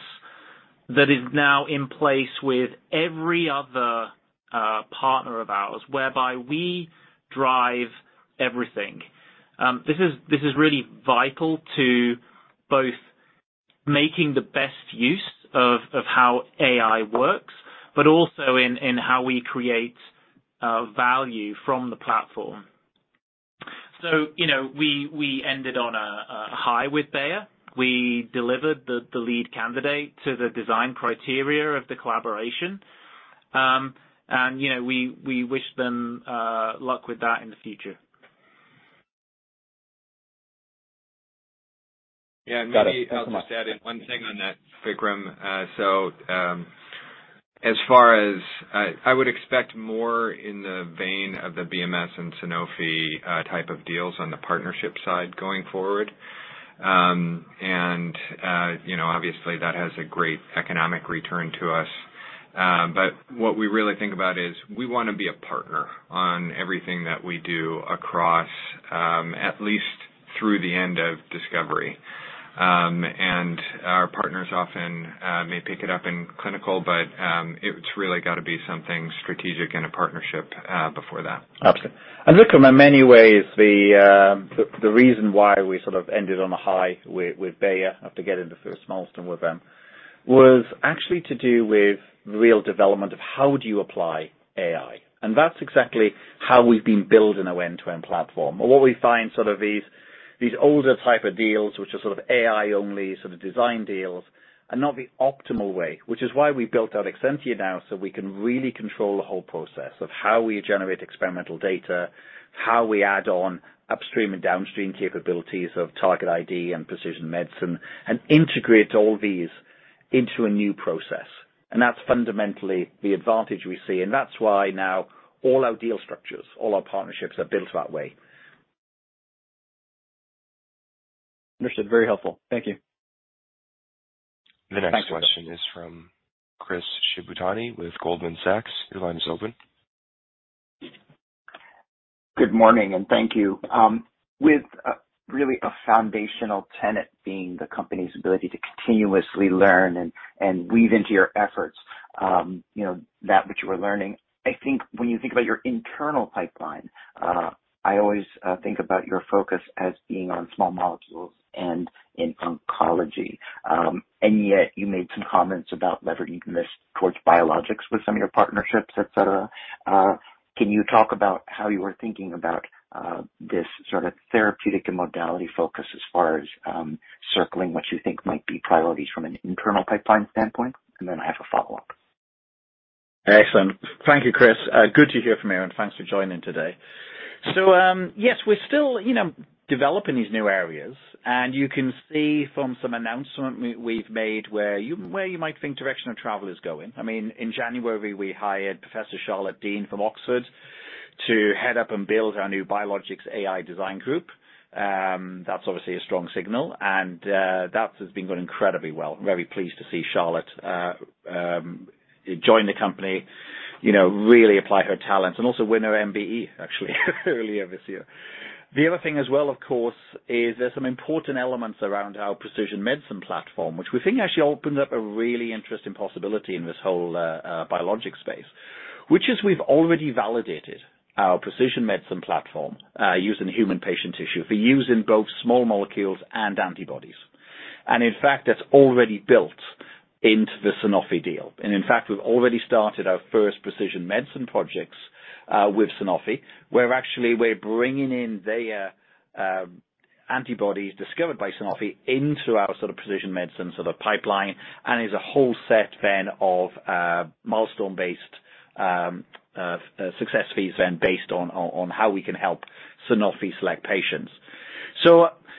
that is now in place with every other partner of ours, whereby we drive everything. This is really vital to both making the best use of how AI works, but also in how we create value from the platform. You know, we ended on a high with Bayer. We delivered the lead candidate to the design criteria of the collaboration. You know, we wish them luck with that in the future. Yeah. Maybe I'll just add in one thing on that, Vikram. I would expect more in the vein of the BMS and Sanofi type of deals on the partnership side going forward. You know, obviously, that has a great economic return to us. But what we really think about is we wanna be a partner on everything that we do across at least through the end of discovery. Our partners often may pick it up in clinical, but it's really gotta be something strategic in a partnership before that. Absolutely. Vikram, in many ways, the reason why we sort of ended on a high with Bayer after getting the first milestone with them was actually to do with real development of how do you apply AI. That's exactly how we've been building our end-to-end platform. What we find sort of these older type of deals, which are sort of AI only sort of design deals, are not the optimal way, which is why we built out Exscientia now, so we can really control the whole process of how we generate experimental data, how we add on upstream and downstream capabilities of target ID and precision medicine, and integrate all these into a new process. That's fundamentally the advantage we see. That's why now all our deal structures, all our partnerships are built that way. Understood. Very helpful. Thank you. Thanks, Vikram. The next question is from Chris Shibutani with Goldman Sachs. Your line is open. Good morning, and thank you. With really a foundational tenet being the company's ability to continuously learn and weave into your efforts, you know, that which you were learning, I think when you think about your internal pipeline, I always think about your focus as being on small molecules and in oncology. Yet you made some comments about leveraging this towards biologics with some of your partnerships, etc. Can you talk about how you are thinking about this sort of therapeutic and modality focus as far as circling what you think might be priorities from an internal pipeline standpoint? Then I have a follow-up. Excellent. Thank you, Chris. Good to hear from you, and thanks for joining today. Yes, we're still, you know, developing these new areas, and you can see from some announcement we've made where you might think direction of travel is going. I mean, in January, we hired Professor Charlotte Deane from Oxford to head up and build our new Biologics AI design group. That's obviously a strong signal, and that has been going incredibly well. Very pleased to see Charlotte join the company, you know, really apply her talents and also win her MBE actually earlier this year. The other thing as well, of course, is there's some important elements around our precision medicine platform, which we think actually opens up a really interesting possibility in this whole, biologic space, which is we've already validated our precision medicine platform, using human patient tissue for use in both small molecules and antibodies. In fact, that's already built into the Sanofi deal. In fact, we've already started our first precision medicine projects with Sanofi, where actually we're bringing in their antibodies discovered by Sanofi into our sort of precision medicine sort of pipeline, and is a whole set then of milestone-based success fees then based on how we can help Sanofi select patients.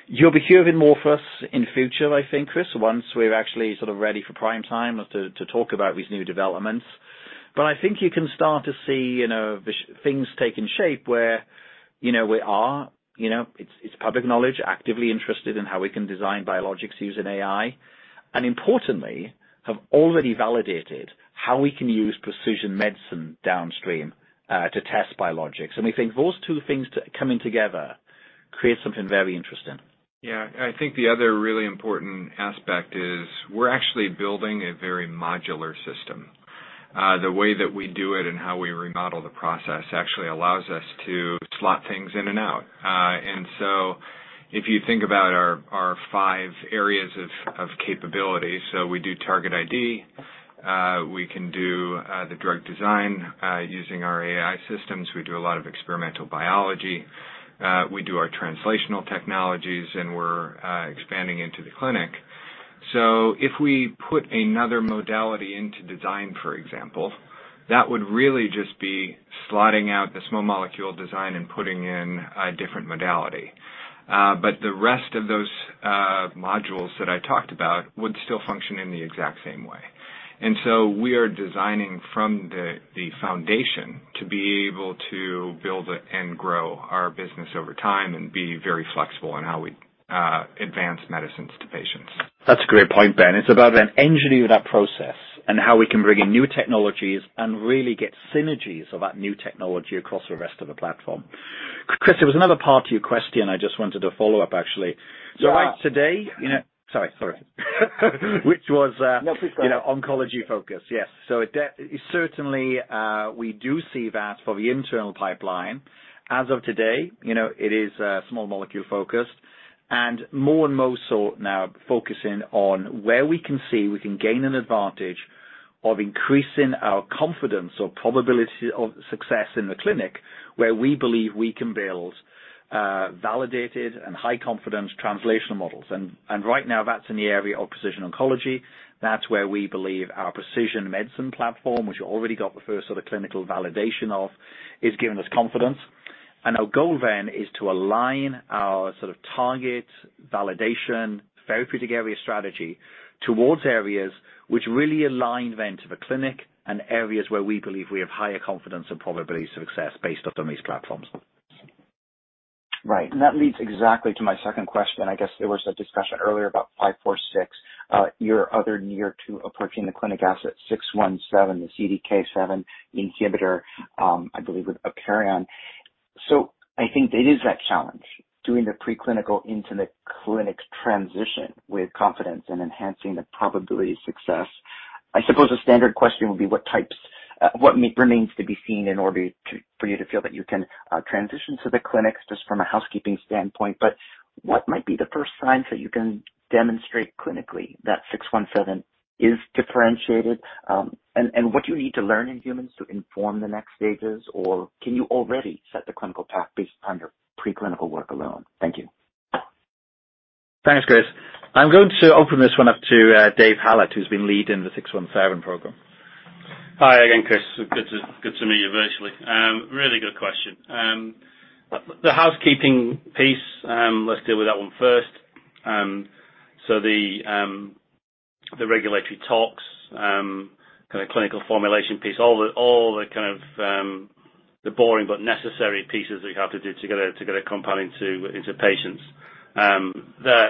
You'll be hearing more from us in future, I think, Chris Shibutani, once we're actually sort of ready for prime time to talk about these new developments. I think you can start to see, you know, the things taking shape where, you know, we are, you know, it's public knowledge, actively interested in how we can design biologics using AI, and importantly, have already validated how we can use precision medicine downstream, to test biologics. We think those two things coming together create something very interesting. Yeah. I think the other really important aspect is we're actually building a very modular system. The way that we do it and how we remodel the process actually allows us to slot things in and out. If you think about our five areas of capability. We do target ID, we can do the drug design using our AI systems. We do a lot of experimental biology. We do our translational technologies, and we're expanding into the clinic. If we put another modality into design, for example, that would really just be slotting out the small molecule design and putting in a different modality. The rest of those modules that I talked about would still function in the exact same way. We are designing from the foundation to be able to build and grow our business over time and be very flexible in how we advance medicines to patients. That's a great point, Ben. It's about then engineering that process and how we can bring in new technologies and really get synergies of that new technology across the rest of the platform. Chris, there was another part to your question I just wanted to follow up actually. Yeah. Right today, you know. Sorry. Which was No, please go on. You know, oncology focus. Yes. Certainly, we do see that for the internal pipeline. As of today, you know, it is small molecule focused and more and more so now focusing on where we can see we can gain an advantage of increasing our confidence or probability of success in the clinic, where we believe we can build validated and high confidence translational models. And right now that's in the area of precision oncology. That's where we believe our precision medicine platform, which we already got the first sort of clinical validation of, is giving us confidence. Our goal then is to align our sort of target validation therapeutic area strategy towards areas which really align then to the clinic and areas where we believe we have higher confidence and probability of success based off on these platforms. Right. That leads exactly to my second question. I guess there was a discussion earlier about EXS-21546, your other near-term approaching the clinic asset GTAEXS617, the CDK7 inhibitor, I believe with GT Apeiron. I think it is that challenge, doing the preclinical into the clinic transition with confidence and enhancing the probability of success. I suppose a standard question would be what remains to be seen in order to, for you to feel that you can, transition to the clinics, just from a housekeeping standpoint, but what might be the first signs that you can demonstrate clinically that GTAEXS617 is differentiated, and what do you need to learn in humans to inform the next stages? Or can you already set the clinical path based on your preclinical work alone? Thank you. Thanks, Chris. I'm going to open this one up to Dave Hallett, who's been leading the 617 program. Hi again, Chris. Good to meet you virtually. Really good question. The housekeeping piece, let's deal with that one first. The regulatory talks, kinda clinical formulation piece, all the kind of the boring but necessary pieces that you have to do to get a compound into patients. They're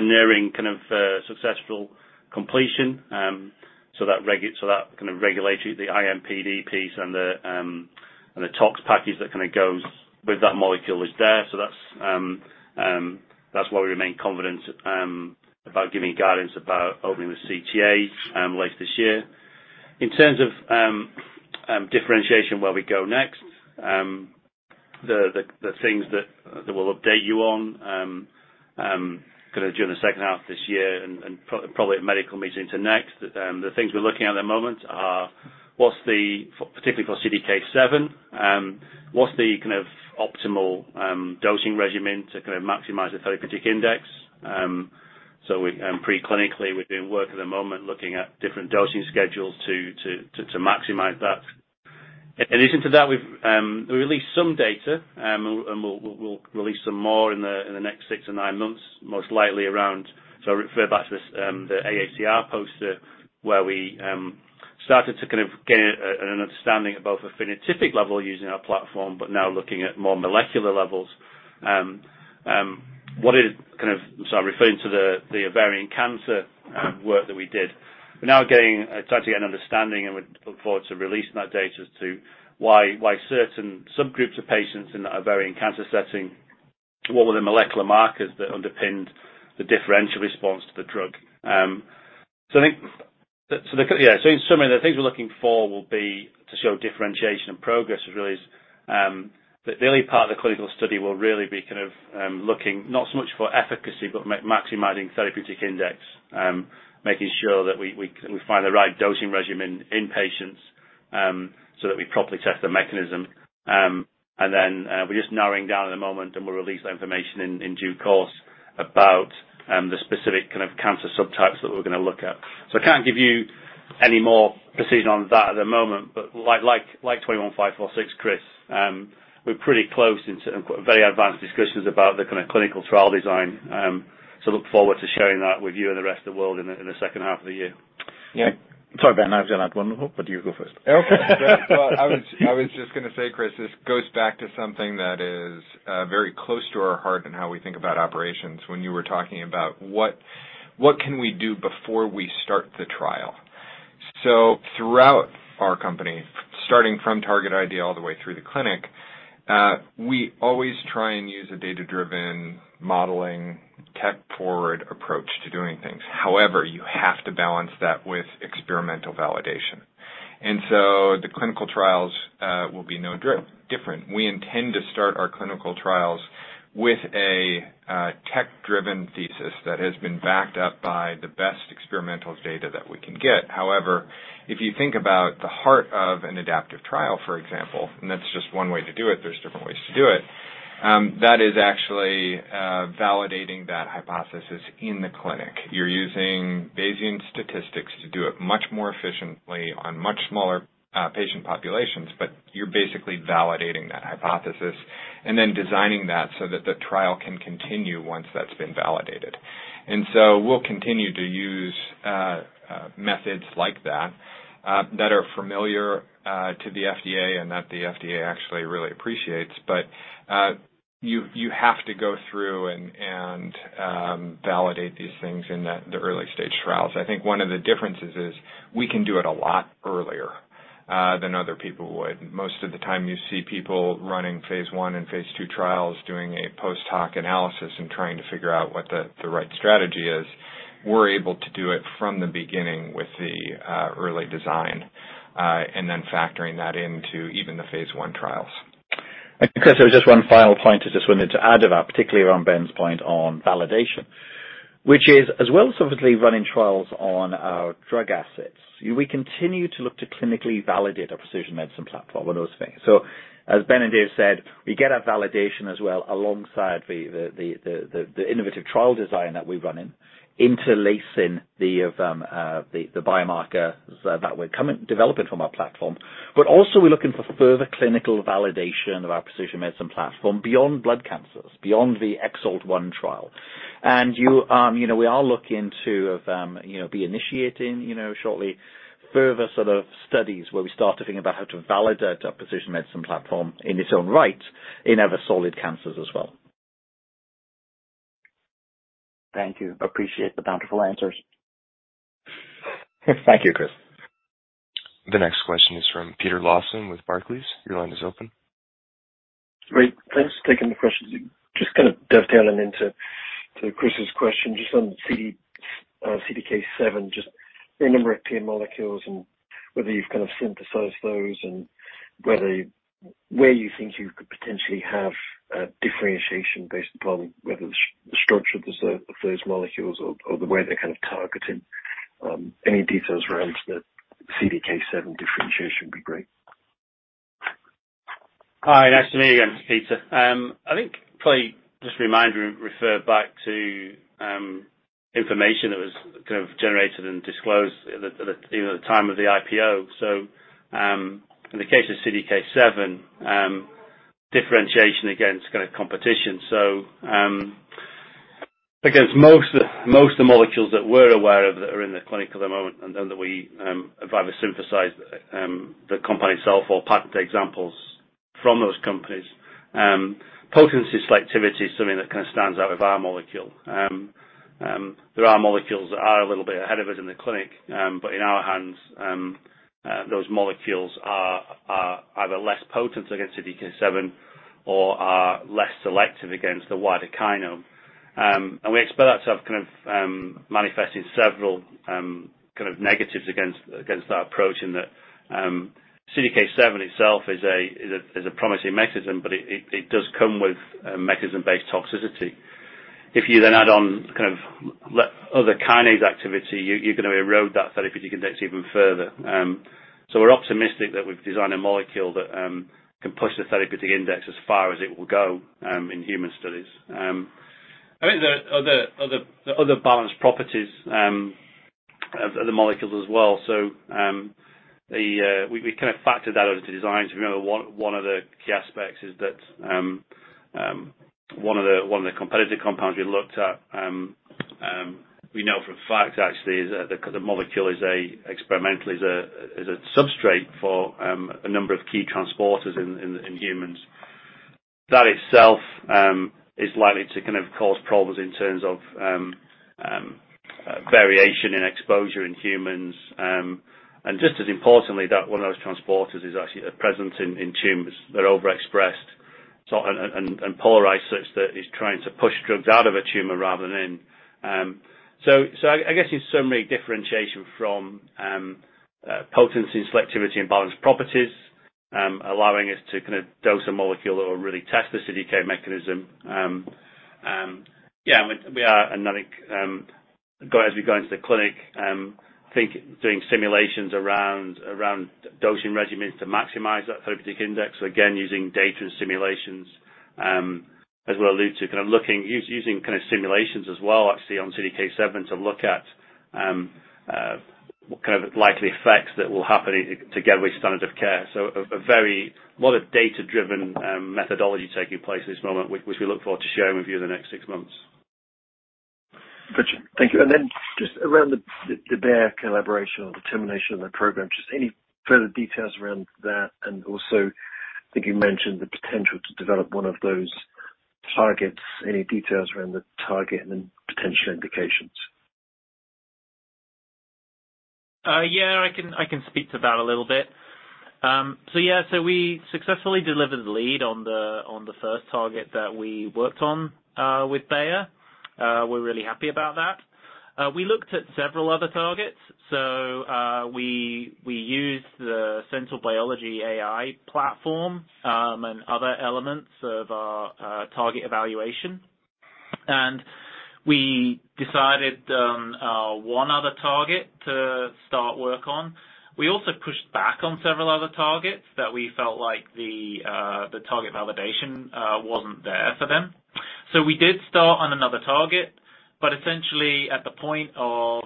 nearing kind of successful completion. That kind of regulatory, the IMPD piece and the tox package that kind of goes with that molecule is there. That's why we remain confident about giving guidance about opening the CTA later this year. In terms of differentiation, where we go next, the things that we'll update you on kinda during the second half of this year and probably at medical meetings next, the things we're looking at the moment are, particularly for CDK7, what's the kind of optimal dosing regimen to kind of maximize the therapeutic index? Pre-clinically, we're doing work at the moment looking at different dosing schedules to maximize that. In addition to that, we've released some data, and we'll release some more in the next six or nine months, most likely around. I refer back to this, the AACR poster, where we started to kind of gain an understanding at both a phenotypic level using our platform, but now looking at more molecular levels. I'm referring to the ovarian cancer work that we did. We're now starting to get an understanding, and we look forward to releasing that data as to why certain subgroups of patients in the ovarian cancer setting, what were the molecular markers that underpinned the differential response to the drug. In summary, the things we're looking for will be to show differentiation and progress really is, the early part of the clinical study will really be kind of, looking not so much for efficacy, but maximizing therapeutic index, making sure that we find the right dosing regimen in patients, so that we properly test the mechanism. Then, we're just narrowing down at the moment, and we'll release that information in due course about the specific kind of cancer subtypes that we're gonna look at. I can't give you any more precision on that at the moment, but like EXS-21546, Chris, we're pretty close to very advanced discussions about the kind of clinical trial design. Look forward to sharing that with you and the rest of the world in the second half of the year. Yeah. Sorry, Ben, I was gonna add one more, but you go first. Okay. I was just gonna say, Chris, this goes back to something that is very close to our heart and how we think about operations when you were talking about what can we do before we start the trial. Throughout our company, starting from target idea all the way through the clinic, we always try and use a data-driven modeling, tech-forward approach to doing things. However, you have to balance that with experimental validation. The clinical trials will be no different. We intend to start our clinical trials with a tech-driven thesis that has been backed up by the best experimental data that we can get. However, if you think about the heart of an adaptive trial, for example, and that's just one way to do it, there's different ways to do it, that is actually validating that hypothesis in the clinic. You're using Bayesian statistics to do it much more efficiently on much smaller patient populations, but you're basically validating that hypothesis and then designing that so that the trial can continue once that's been validated. We'll continue to use methods like that that are familiar to the FDA and that the FDA actually really appreciates. You have to go through and validate these things in the early stage trials. I think one of the differences is we can do it a lot earlier than other people would. Most of the time you see people running phase I and phase II trials doing a post-hoc analysis and trying to figure out what the right strategy is. We're able to do it from the beginning with the early design and then factoring that into even the phase I trials. Chris, there's just one final point I just wanted to add about, particularly around Ben's point on validation, which is, as well as obviously running trials on our drug assets, we continue to look to clinically validate our precision medicine platform and those things. As Ben and Dave said, we get our validation as well alongside the innovative trial design that we're running, interlacing the biomarkers that we're developing from our platform. Also we're looking for further clinical validation of our precision medicine platform beyond blood cancers, beyond the EXALT-1 trial. You, you know, we are looking to, you know, be initiating, you know, shortly further sort of studies where we start to think about how to validate our precision medicine platform in its own right in other solid cancers as well. Thank you. Appreciate the bountiful answers. Thank you, Chris. The next question is from Peter Lawson with Barclays. Your line is open. Great. Thanks for taking the questions. Just gonna dovetail into Chris's question, just on CDK7, just the number of target molecules and whether you've kind of synthesized those and where you think you could potentially have differentiation based upon whether the structure of those molecules or the way they're kind of targeting. Any details around the CDK7 differentiation would be great. Hi, nice to meet you again, Peter. I think probably just a reminder, refer back to information that was kind of generated and disclosed at the time of the IPO. In the case of CDK7, differentiation against kind of competition. Against most of the molecules that we're aware of that are in the clinic at the moment and that we have either synthesized by the company itself or patent examples from those companies, potency selectivity is something that kind of stands out with our molecule. There are molecules that are a little bit ahead of us in the clinic, but in our hands, those molecules are either less potent against CDK7 or are less selective against the wider kinome. We expect that to kind of manifest in several kind of negatives against that approach in that CDK7 itself is a promising mechanism, but it does come with a mechanism-based toxicity. If you then add on kind of other kinase activity, you're gonna erode that therapeutic index even further. We're optimistic that we've designed a molecule that can push the therapeutic index as far as it will go in human studies. I think the other balanced properties of the molecules as well. We kind of factored that into the design. Remember one of the key aspects is that one of the competitive compounds we looked at, we know for a fact actually that the molecule experimentally is a substrate for a number of key transporters in humans. That itself is likely to kind of cause problems in terms of variation in exposure in humans. Just as importantly, that one of those transporters is actually present in tumors. They're overexpressed, and polarized such that it's trying to push drugs out of a tumor rather than in. I guess in summary, differentiation from potency and selectivity and balanced properties, allowing us to kind of dose a molecule or really test the CDK mechanism. We are, and I think, as we go into the clinic, doing simulations around dosing regimens to maximize that therapeutic index. Again, using data and simulations, as we'll allude to, kind of using simulations as well actually on CDK7 to look at what kind of likely effects that will happen together with standard of care. A lot of data-driven methodology taking place at this moment, which we look forward to sharing with you in the next six months. Gotcha. Thank you. Just around the Bayer collaboration or the termination of the program, just any further details around that? Also, I think you mentioned the potential to develop one of those targets. Any details around the target and then potential indications? I can speak to that a little bit. Yeah, so we successfully delivered the lead on the first target that we worked on with Bayer. We're really happy about that. We looked at several other targets. We used the central biology AI platform and other elements of our target evaluation. We decided on one other target to start work on. We also pushed back on several other targets that we felt like the target validation wasn't there for them. We did start on another target, but essentially at the point of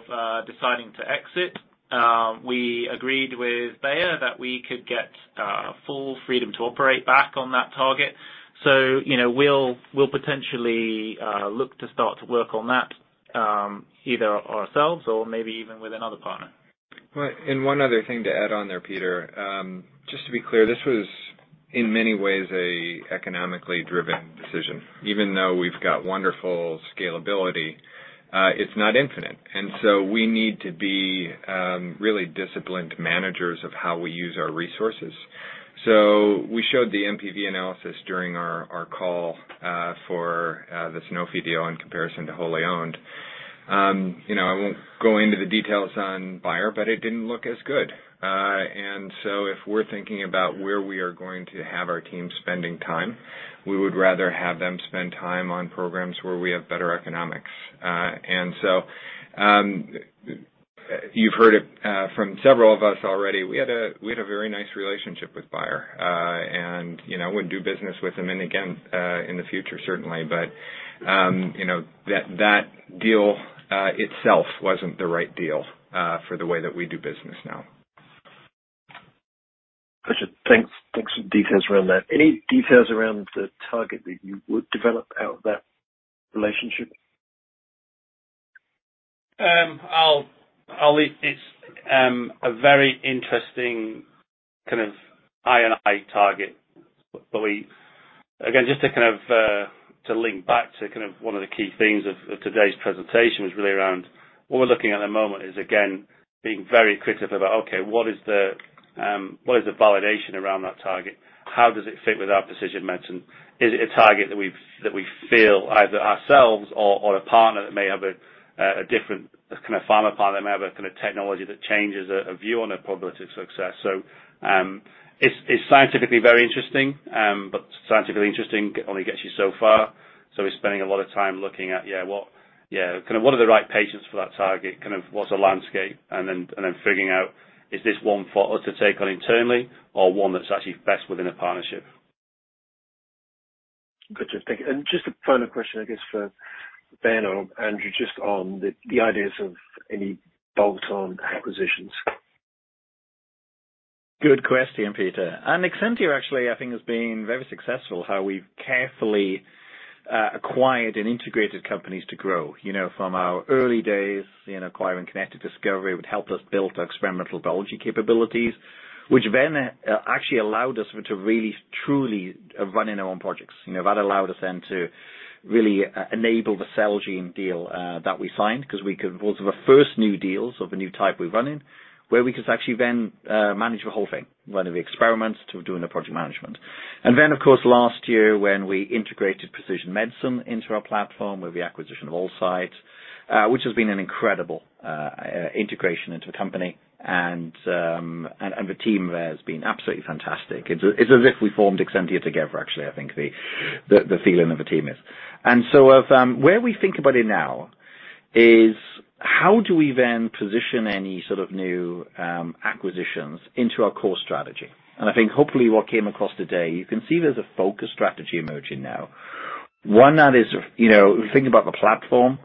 deciding to exit, we agreed with Bayer that we could get full freedom to operate back on that target. You know, we'll potentially look to start to work on that, either ourselves or maybe even with another partner. Right. One other thing to add on there, Peter, just to be clear, this was in many ways an economically driven decision. Even though we've got wonderful scalability, it's not infinite. We need to be really disciplined managers of how we use our resources. We showed the NPV analysis during our call for the Sanofi deal in comparison to wholly owned. You know, I won't go into the details on Bayer, but it didn't look as good. If we're thinking about where we are going to have our team spending time, we would rather have them spend time on programs where we have better economics. You've heard it from several of us already. We had a very nice relationship with Bayer, and you know, we'd do business with them and again in the future certainly. You know, that deal itself wasn't the right deal for the way that we do business now. Thanks. Thanks for the details around that. Any details around the target that you would develop out of that relationship? I'll leave this a very interesting kind of I&I target. We again just to kind of to link back to kind of one of the key themes of today's presentation was really around what we're looking at the moment is again being very critical about okay what is the validation around that target. How does it fit with our precision medicine? Is it a target that we feel either ourselves or a partner that may have a different kind of pharma partner may have a kind of technology that changes a view on the probability of success. It's scientifically very interesting but scientifically interesting only gets you so far. We're spending a lot of time looking at yeah what. Yeah, kind of what are the right patients for that target, kind of what's the landscape, and then figuring out is this one for us to take on internally or one that's actually best within a partnership. Got you. Thank you. Just a final question, I guess, for Ben or Andrew, just on the ideas of any bolt-on acquisitions. Good question, Peter. Exscientia actually, I think, has been very successful how we've carefully acquired and integrated companies to grow. You know, from our early days in acquiring Kinetic Discovery, it would help us build our experimental biology capabilities, which then actually allowed us to really truly run our own projects. You know, that allowed us then to really enable the Celgene deal that we signed 'cause we could. Those were first new deals of a new type we're running, where we could actually then manage the whole thing, running the experiments to doing the project management. Of course, last year when we integrated precision medicine into our platform with the acquisition of Allcyte, which has been an incredible integration into the company, and the team there has been absolutely fantastic. It's as if we formed Exscientia together. Actually, I think the feeling of the team is. Where we think about it now is how do we then position any sort of new acquisitions into our core strategy? I think hopefully what came across today, you can see there's a focus strategy emerging now. One that is, you know, think about the platform.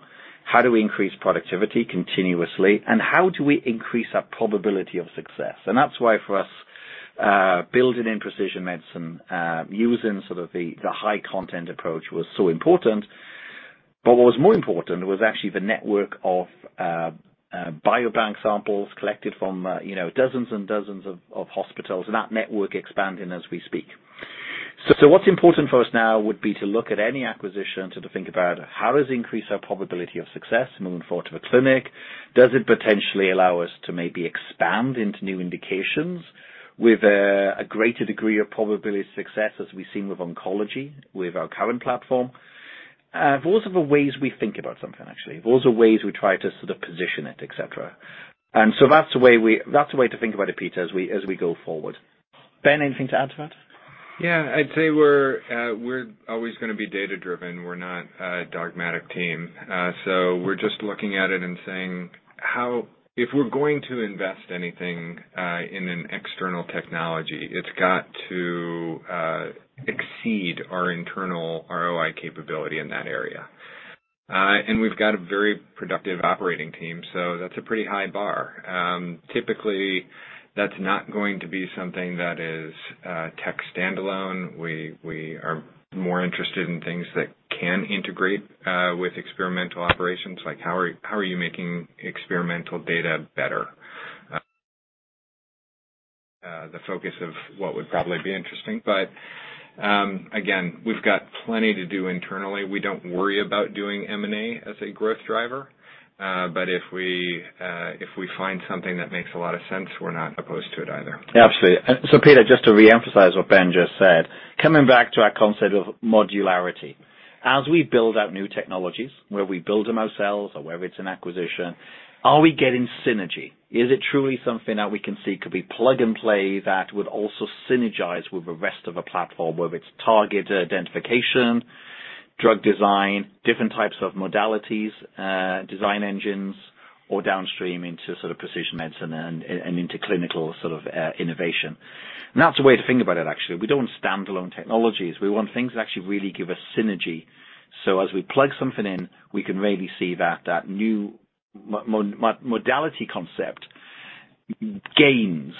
How do we increase productivity continuously, and how do we increase our probability of success? That's why for us, building in precision medicine, using sort of the high content approach was so important. What was more important was actually the network of biobank samples collected from, you know, dozens and dozens of hospitals and that network expanding as we speak. What's important for us now would be to look at any acquisition to think about how does it increase our probability of success moving forward to the clinic? Does it potentially allow us to maybe expand into new indications with a greater degree of probability of success, as we've seen with oncology, with our current platform? Those are the ways we think about something, actually. Those are ways we try to sort of position it, et cetera. That's the way to think about it, Peter, as we go forward. Ben, anything to add to that? Yeah. I'd say we're always gonna be data-driven. We're not a dogmatic team. We're just looking at it and saying if we're going to invest anything in an external technology, it's got to exceed our internal ROI capability in that area. We've got a very productive operating team, so that's a pretty high bar. Typically, that's not going to be something that is tech standalone. We are more interested in things that can integrate with experimental operations. Like how are you making experimental data better? The focus of what would probably be interesting. Again, we've got plenty to do internally. We don't worry about doing M&A as a growth driver. If we find something that makes a lot of sense, we're not opposed to it either. Absolutely. Peter, just to re-emphasize what Ben just said, coming back to our concept of modularity. As we build out new technologies, whether we build them ourselves or whether it's an acquisition, are we getting synergy? Is it truly something that we can see could be plug and play that would also synergize with the rest of the platform, whether it's target identification, drug design, different types of modalities, design engines, or downstream into sort of precision medicine and into clinical sort of innovation. That's the way to think about it, actually. We don't want standalone technologies. We want things that actually really give us synergy. As we plug something in, we can really see that new modality concept gains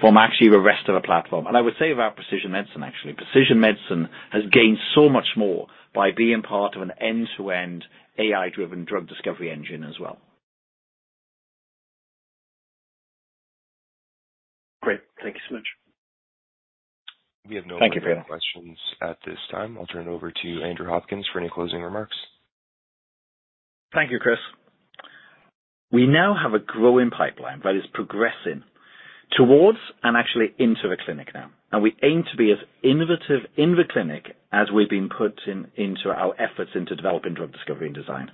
from actually the rest of the platform. I would say about precision medicine, actually, precision medicine has gained so much more by being part of an end-to-end AI-driven drug discovery engine as well. Great. Thank you so much. Thank you, Peter. We have no further questions at this time. I'll turn it over to Andrew Hopkins for any closing remarks. Thank you, Chris. We now have a growing pipeline that is progressing towards and actually into the clinic now. We aim to be as innovative in the clinic as we've been putting our efforts into developing drug discovery and design.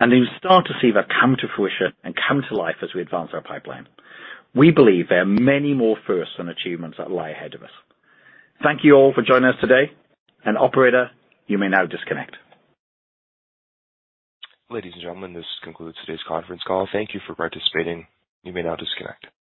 You'll start to see that come to fruition and come to life as we advance our pipeline. We believe there are many more firsts and achievements that lie ahead of us. Thank you all for joining us today, and operator, you may now disconnect. Ladies and gentlemen, this concludes today's conference call. Thank you for participating. You may now disconnect.